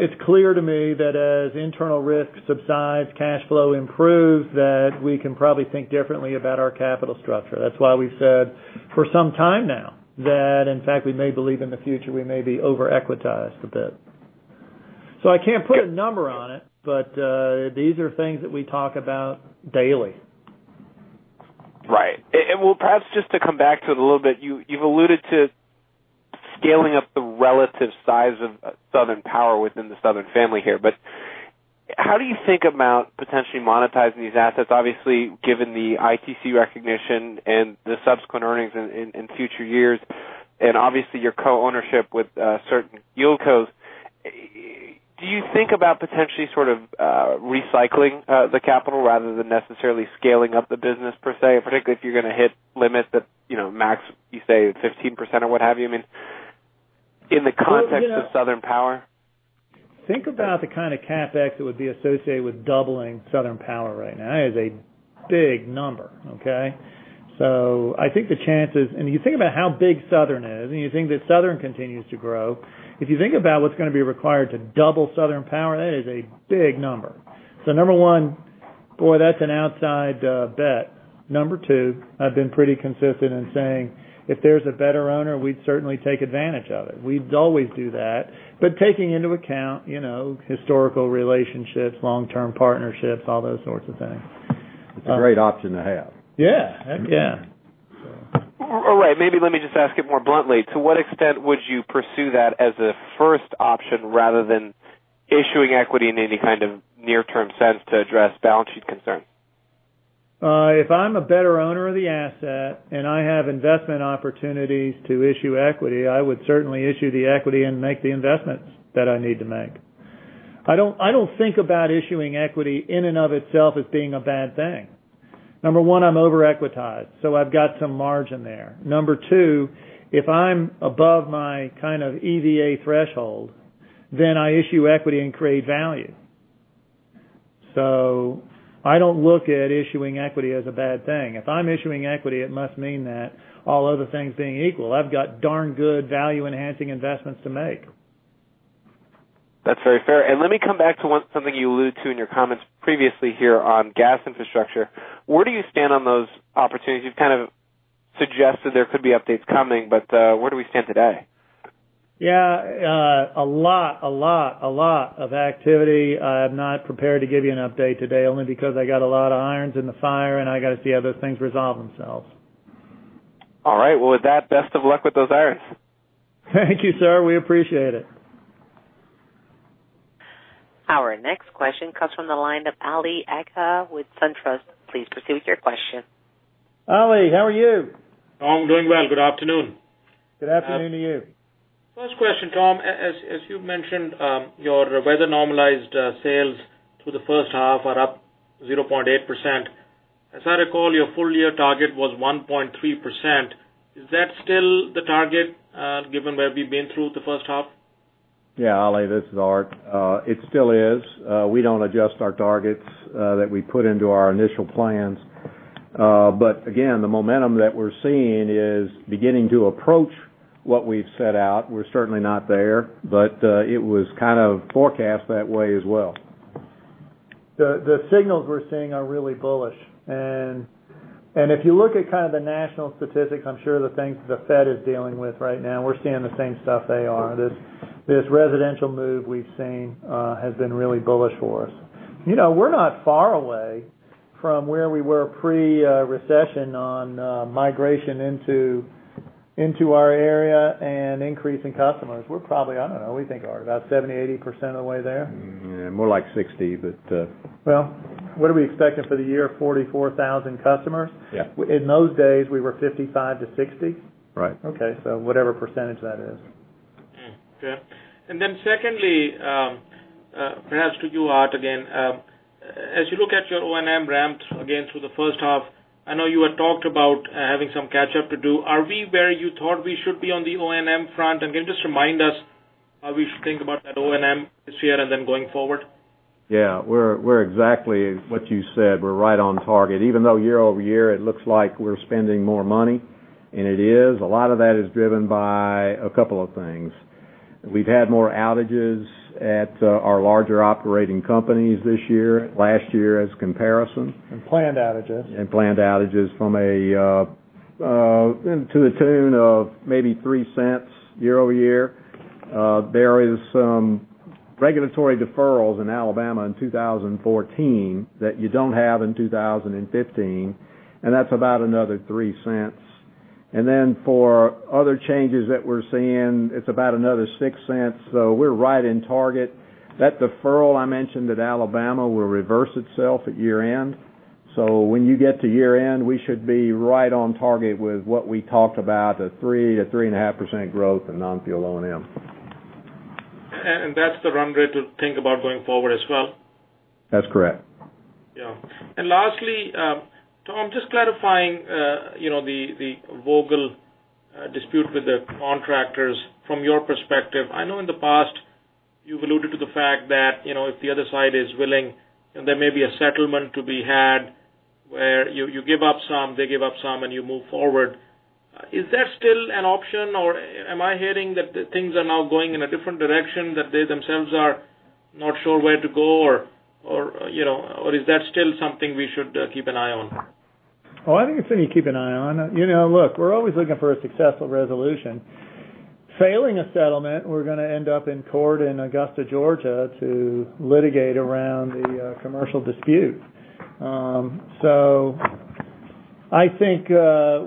[SPEAKER 3] It's clear to me that as internal risk subsides, cash flow improves, that we can probably think differently about our capital structure. That's why we've said for some time now that in fact we may believe in the future we may be over-equitized a bit. I can't put a number on it, but these are things that we talk about daily.
[SPEAKER 13] Right. Perhaps just to come back to it a little bit, you've alluded to scaling up the relative size of Southern Power within the Southern family here. How do you think about potentially monetizing these assets? Obviously, given the ITC recognition and the subsequent earnings in future years, and obviously your co-ownership with certain yieldcos. Do you think about potentially sort of recycling the capital rather than necessarily scaling up the business per se? Particularly if you're going to hit limits that max, you say 15% or what have you. In the context of Southern Power.
[SPEAKER 3] Think about the kind of CapEx that would be associated with doubling Southern Power right now. That is a big number. Okay? I think the chances, and if you think about how big Southern is, and you think that Southern continues to grow, if you think about what's going to be required to double Southern Power, that is a big number. Number one, boy, that's an outside bet. Number two, I've been pretty consistent in saying if there's a better owner, we'd certainly take advantage of it. We'd always do that. Taking into account historical relationships, long-term partnerships, all those sorts of things.
[SPEAKER 4] It's a great option to have.
[SPEAKER 3] Yeah. Heck yeah.
[SPEAKER 13] All right. Maybe let me just ask it more bluntly. To what extent would you pursue that as a first option rather than issuing equity in any kind of near-term sense to address balance sheet concerns?
[SPEAKER 3] If I'm a better owner of the asset and I have investment opportunities to issue equity, I would certainly issue the equity and make the investments that I need to make. I don't think about issuing equity in and of itself as being a bad thing. Number 1, I'm over-equitized, so I've got some margin there. Number 2, if I'm above my kind of EVA threshold, then I issue equity and create value. I don't look at issuing equity as a bad thing. If I'm issuing equity, it must mean that all other things being equal, I've got darn good value-enhancing investments to make.
[SPEAKER 13] That's very fair. Let me come back to something you alluded to in your comments previously here on gas infrastructure. Where do you stand on those opportunities? You've kind of suggested there could be updates coming, but where do we stand today?
[SPEAKER 3] Yeah. A lot of activity. I'm not prepared to give you an update today only because I got a lot of irons in the fire, and I got to see how those things resolve themselves.
[SPEAKER 13] All right. Well, with that, best of luck with those irons.
[SPEAKER 3] Thank you, sir. We appreciate it.
[SPEAKER 1] Our next question comes from the line of Ali Agha with SunTrust. Please proceed with your question.
[SPEAKER 3] Ali, how are you?
[SPEAKER 14] Tom, doing well. Good afternoon.
[SPEAKER 3] Good afternoon to you.
[SPEAKER 14] First question, Tom. As you mentioned, your weather-normalized sales through the first half are up 0.8%. As I recall, your full-year target was 1.3%. Is that still the target, given where we've been through the first half?
[SPEAKER 4] Yeah, Ali. This is Art. It still is. We don't adjust our targets that we put into our initial plans. Again, the momentum that we're seeing is beginning to approach what we've set out. We're certainly not there, but it was kind of forecast that way as well.
[SPEAKER 3] The signals we're seeing are really bullish. If you look at the national statistics, I'm sure the things the Fed is dealing with right now, we're seeing the same stuff they are. This residential move we've seen has been really bullish for us. We're not far away from where we were pre-recession on migration into our area and increase in customers. We're probably, I don't know, we think are about 70%-80% of the way there.
[SPEAKER 4] More like 60%.
[SPEAKER 3] Well, what are we expecting for the year? 44,000 customers?
[SPEAKER 4] Yeah.
[SPEAKER 3] In those days, we were 55,000 to 60,000.
[SPEAKER 4] Right.
[SPEAKER 3] Okay. whatever percentage that is.
[SPEAKER 14] Okay. secondly, perhaps to you, Art, again. As you look at your O&M ramp, again, through the first half, I know you had talked about having some catch up to do. Are we where you thought we should be on the O&M front? Can you just remind us how we should think about that O&M this year and then going forward?
[SPEAKER 4] Yeah. We're exactly what you said. We're right on target. Even though year-over-year it looks like we're spending more money, and it is, a lot of that is driven by a couple of things. We've had more outages at our larger operating companies this year, last year as comparison.
[SPEAKER 3] Planned outages.
[SPEAKER 4] Planned outages to the tune of maybe $0.03 year-over-year. There is some regulatory deferrals in Alabama in 2014 that you don't have in 2015, and that's about another $0.03. For other changes that we're seeing, it's about another $0.06. We're right in target. That deferral I mentioned at Alabama will reverse itself at year-end. When you get to year-end, we should be right on target with what we talked about, a 3%-3.5% growth in non-fuel O&M.
[SPEAKER 14] That's the run rate we'll think about going forward as well?
[SPEAKER 4] That's correct.
[SPEAKER 14] Yeah. Lastly, Tom, just clarifying the Vogtle dispute with the contractors from your perspective. I know in the past you've alluded to the fact that, if the other side is willing, there may be a settlement to be had where you give up some, they give up some, and you move forward. Is that still an option, or am I hearing that things are now going in a different direction, that they themselves are not sure where to go or is that still something we should keep an eye on?
[SPEAKER 3] I think it's something to keep an eye on. Look, we're always looking for a successful resolution. Failing a settlement, we're going to end up in court in Augusta, Georgia, to litigate around the commercial dispute. I think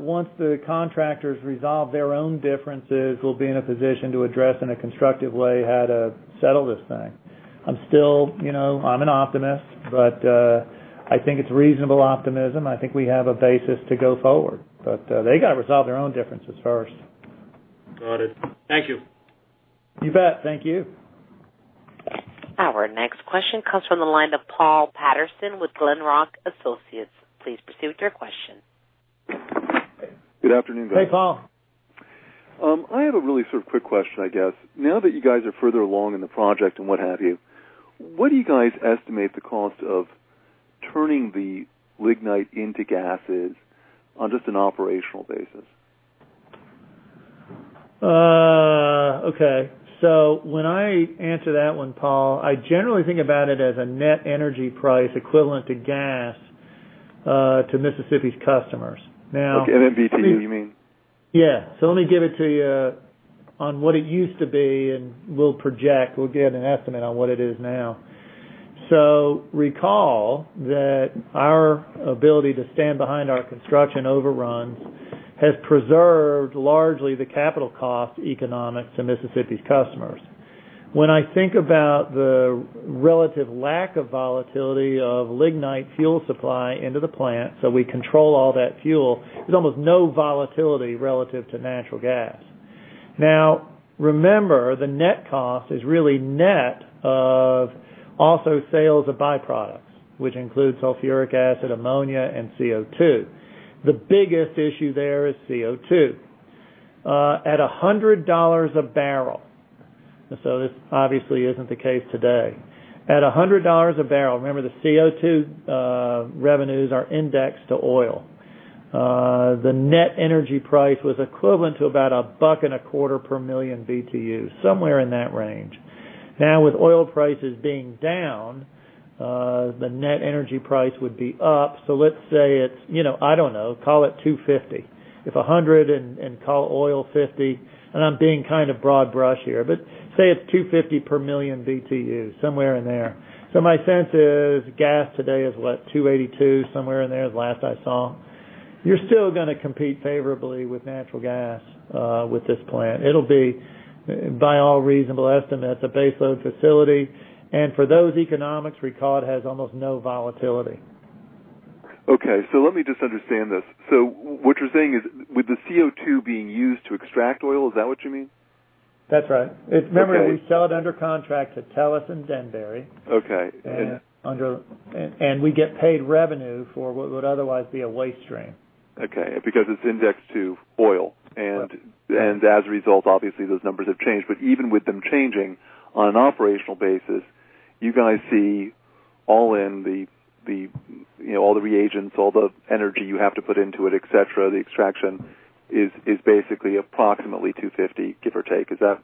[SPEAKER 3] once the contractors resolve their own differences, we'll be in a position to address in a constructive way how to settle this thing. I'm an optimist, but I think it's reasonable optimism. I think we have a basis to go forward. They got to resolve their own differences first.
[SPEAKER 14] Got it. Thank you.
[SPEAKER 3] You bet. Thank you.
[SPEAKER 1] Our next question comes from the line of Paul Patterson with Glenrock Associates. Please proceed with your question.
[SPEAKER 15] Good afternoon, guys.
[SPEAKER 3] Hey, Paul.
[SPEAKER 15] I have a really sort of quick question, I guess. Now that you guys are further along in the project and what have you, what do you guys estimate the cost of turning the lignite into gases on just an operational basis?
[SPEAKER 3] Okay. When I answer that one, Paul, I generally think about it as a net energy price equivalent to gas to Mississippi's customers.
[SPEAKER 15] Okay. MMBtu, you mean?
[SPEAKER 3] Yeah. Let me give it to you on what it used to be, and we'll project, we'll give an estimate on what it is now. Recall that our ability to stand behind our construction overruns has preserved largely the capital cost economics to Mississippi's customers. When I think about the relative lack of volatility of lignite fuel supply into the plant, we control all that fuel, there's almost no volatility relative to natural gas. Now, remember, the net cost is really net of also sales of byproducts, which includes sulfuric acid, ammonia, and CO2. The biggest issue there is CO2. At $100 a barrel, this obviously isn't the case today. At $100 a barrel, remember, the CO2 revenues are indexed to oil. The net energy price was equivalent to about $1.25 per million BTU, somewhere in that range. Now, with oil prices being down, the net energy price would be up. Let's say it's, I don't know, call it $2.50. If $100 and call oil $50, and I'm being kind of broad brush here, but say it's $2.50 per million BTU, somewhere in there. My sense is gas today is what? $2.82, somewhere in there is the last I saw. You're still going to compete favorably with natural gas with this plant. It'll be, by all reasonable estimates, a base load facility. For those economics, recall it has almost no volatility.
[SPEAKER 15] Okay. Let me just understand this. What you're saying is with the CO2 being used to extract oil, is that what you mean?
[SPEAKER 3] That's right.
[SPEAKER 15] Okay.
[SPEAKER 3] Remember, we sell it under contract to Tellus and Denbury.
[SPEAKER 15] Okay.
[SPEAKER 3] We get paid revenue for what would otherwise be a waste stream.
[SPEAKER 15] Okay. Because it's indexed to oil.
[SPEAKER 3] Correct.
[SPEAKER 15] As a result, obviously, those numbers have changed. Even with them changing, on an operational basis, you guys see all in, all the reagents, all the energy you have to put into it, et cetera, the extraction is basically approximately 250, give or take. Is that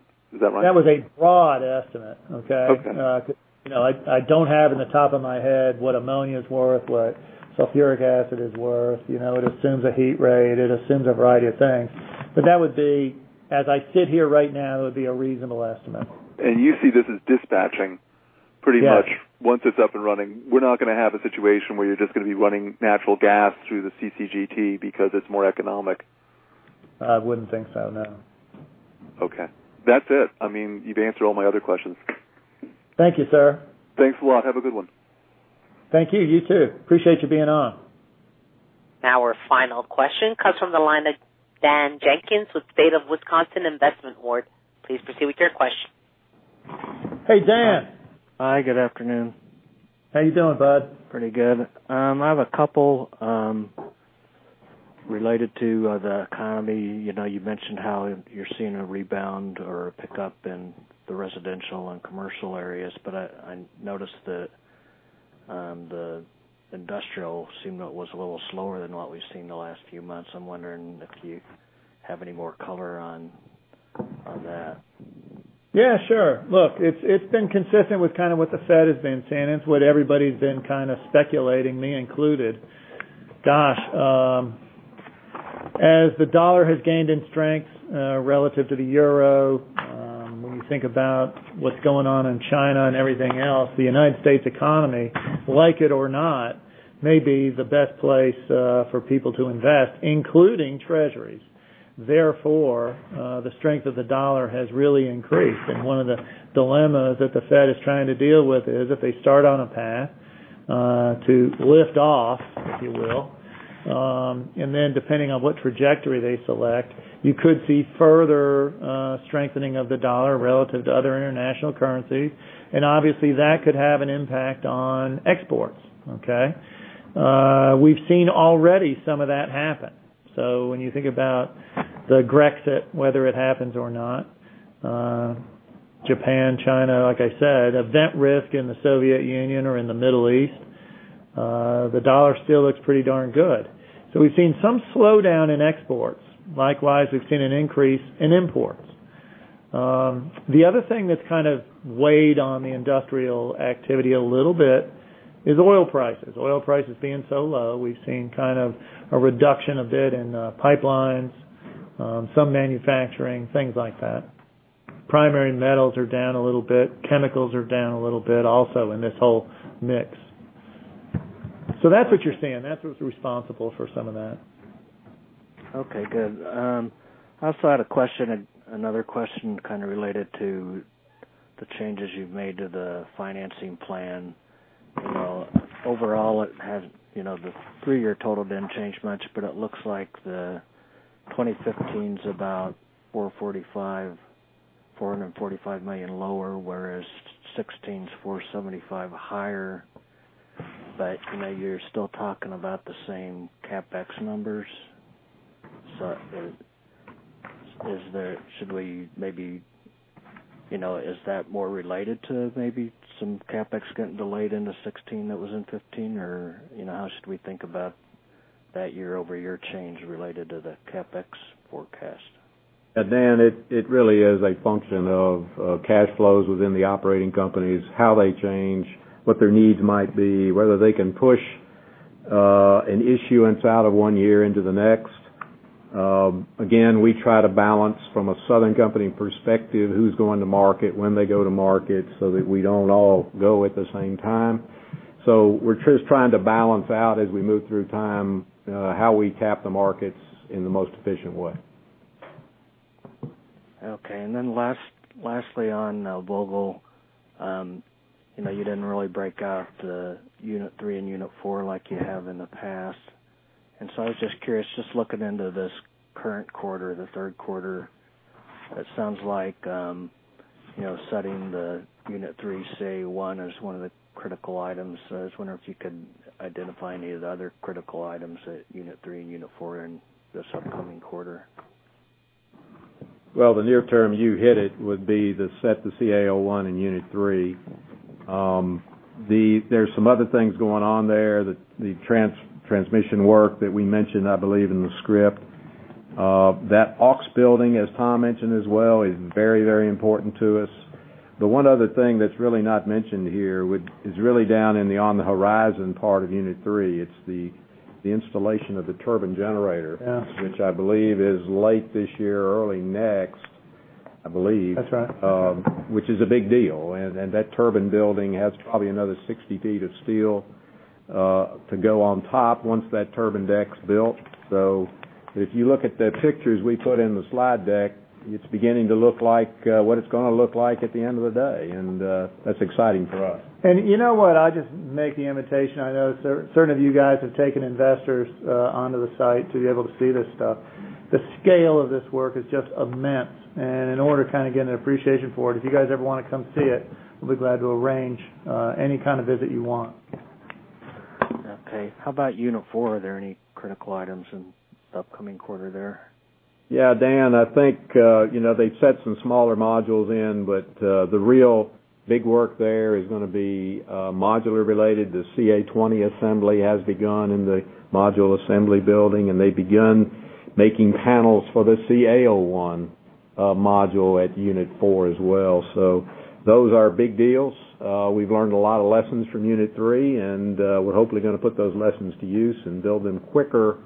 [SPEAKER 15] right?
[SPEAKER 3] That was a broad estimate. Okay?
[SPEAKER 15] Okay.
[SPEAKER 3] I don't have in the top of my head what ammonia is worth, what sulfuric acid is worth. It assumes a heat rate, it assumes a variety of things. That would be, as I sit here right now, that would be a reasonable estimate.
[SPEAKER 15] You see this as dispatching pretty much.
[SPEAKER 3] Yes
[SPEAKER 15] once it's up and running. We're not going to have a situation where you're just going to be running natural gas through the CCGT because it's more economic.
[SPEAKER 3] I wouldn't think so, no.
[SPEAKER 15] Okay. That's it. You've answered all my other questions.
[SPEAKER 3] Thank you, sir.
[SPEAKER 15] Thanks a lot. Have a good one.
[SPEAKER 3] Thank you. You too. Appreciate you being on.
[SPEAKER 1] Our final question comes from the line of Dan Jenkins with State of Wisconsin Investment Board. Please proceed with your question.
[SPEAKER 3] Hey, Dan.
[SPEAKER 16] Hi, good afternoon.
[SPEAKER 3] How you doing, bud?
[SPEAKER 16] Pretty good. I have a couple related to the economy. You mentioned how you're seeing a rebound or a pickup in the residential and commercial areas, but I noticed that the industrial seemed it was a little slower than what we've seen the last few months. I'm wondering if you have any more color on that.
[SPEAKER 3] Yeah, sure. Look, it's been consistent with kind of what the Fed has been saying. It's what everybody's been kind of speculating, me included. Gosh. As the dollar has gained in strength relative to the euro, when you think about what's going on in China and everything else, the United States economy, like it or not, may be the best place for people to invest, including treasuries. The strength of the dollar has really increased, and one of the dilemmas that the Fed is trying to deal with is if they start on a path to lift off, if you will. Then depending on what trajectory they select, you could see further strengthening of the dollar relative to other international currencies. Obviously, that could have an impact on exports. Okay? We've seen already some of that happen. When you think about the Brexit, whether it happens or not, Japan, China, like I said, event risk in the Soviet Union or in the Middle East, the dollar still looks pretty darn good. We've seen some slowdown in exports. Likewise, we've seen an increase in imports. The other thing that's kind of weighed on the industrial activity a little bit is oil prices. Oil prices being so low, we've seen kind of a reduction a bit in pipelines, some manufacturing, things like that. Primary metals are down a little bit. Chemicals are down a little bit also in this whole mix. That's what you're seeing. That's what's responsible for some of that.
[SPEAKER 16] Okay, good. I also had another question kind of related to the changes you've made to the financing plan. Overall, the three-year total didn't change much, but it looks like the 2015's about $445 million lower, whereas 2016's $475 higher. You're still talking about the same CapEx numbers. Is that more related to maybe some CapEx getting delayed into 2016 that was in 2015, or how should we think about that year-over-year change related to the CapEx forecast?
[SPEAKER 4] Dan, it really is a function of cash flows within the operating companies, how they change, what their needs might be, whether they can push an issuance out of one year into the next. Again, we try to balance from a Southern Company perspective, who's going to market, when they go to market, that we don't all go at the same time. We're just trying to balance out as we move through time how we tap the markets in the most efficient way.
[SPEAKER 16] Okay. Lastly on Vogtle. You didn't really break out the unit three and unit four like you have in the past. I was just curious, just looking into this current quarter, the third quarter, it sounds like setting the unit three CA01 as one of the critical items. I was wondering if you could identify any of the other critical items at unit three and unit four in this upcoming quarter.
[SPEAKER 4] Well, the near term, you hit it, would be to set the CA01 in unit 3. There's some other things going on there. The transmission work that we mentioned, I believe in the script. That aux building, as Tom mentioned as well, is very important to us. The one other thing that's really not mentioned here is really down in the on the horizon part of unit 3. It's the installation of the turbine generator. Yeah. Which I believe is late this year or early next. I believe.
[SPEAKER 3] That's right.
[SPEAKER 4] Which is a big deal. That turbine building has probably another 60 feet of steel to go on top once that turbine deck's built. If you look at the pictures we put in the slide deck, it's beginning to look like what it's going to look like at the end of the day. That's exciting for us.
[SPEAKER 3] You know what, I just make the invitation. I know certain of you guys have taken investors onto the site to be able to see this stuff. The scale of this work is just immense. In order to kind of get an appreciation for it, if you guys ever want to come see it, we'll be glad to arrange any kind of visit you want.
[SPEAKER 16] Okay. How about unit four? Are there any critical items in the upcoming quarter there?
[SPEAKER 4] Dan, I think they've set some smaller modules in, but the real big work there is going to be modular related. The CA20 assembly has begun in the module assembly building, and they've begun making panels for the CA01 module at unit four as well. Those are big deals. We've learned a lot of lessons from unit three, and we're hopefully going to put those lessons to use and build them quicker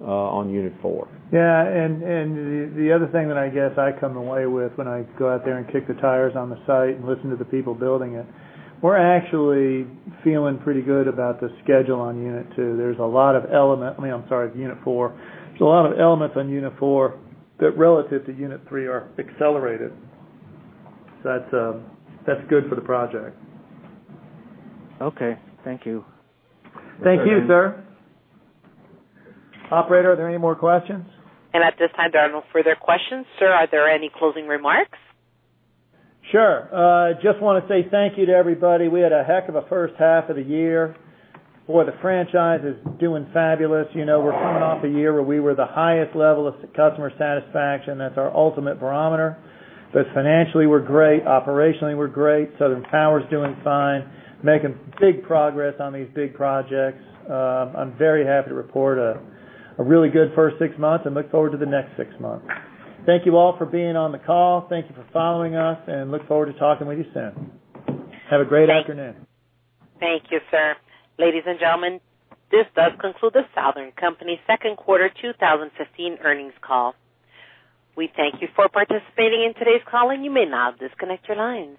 [SPEAKER 4] on unit four.
[SPEAKER 3] The other thing that I guess I come away with when I go out there and kick the tires on the site and listen to the people building it, we're actually feeling pretty good about the schedule on unit two. I'm sorry, unit four. There's a lot of elements on unit four that relative to unit three are accelerated. That's good for the project.
[SPEAKER 16] Okay. Thank you.
[SPEAKER 4] Thank you, sir.
[SPEAKER 3] Operator, are there any more questions?
[SPEAKER 1] At this time, there are no further questions. Sir, are there any closing remarks?
[SPEAKER 3] Sure. Just want to say thank you to everybody. We had a heck of a first half of the year. Boy, the franchise is doing fabulous. We're coming off a year where we were the highest level of customer satisfaction. That's our ultimate barometer. Financially, we're great. Operationally, we're great. Southern Power is doing fine, making big progress on these big projects. I'm very happy to report a really good first six months and look forward to the next six months. Thank you all for being on the call. Thank you for following us, and look forward to talking with you soon. Have a great afternoon.
[SPEAKER 1] Thank you, sir. Ladies and gentlemen, this does conclude the Southern Company second quarter 2015 earnings call. We thank you for participating in today's call, and you may now disconnect your lines.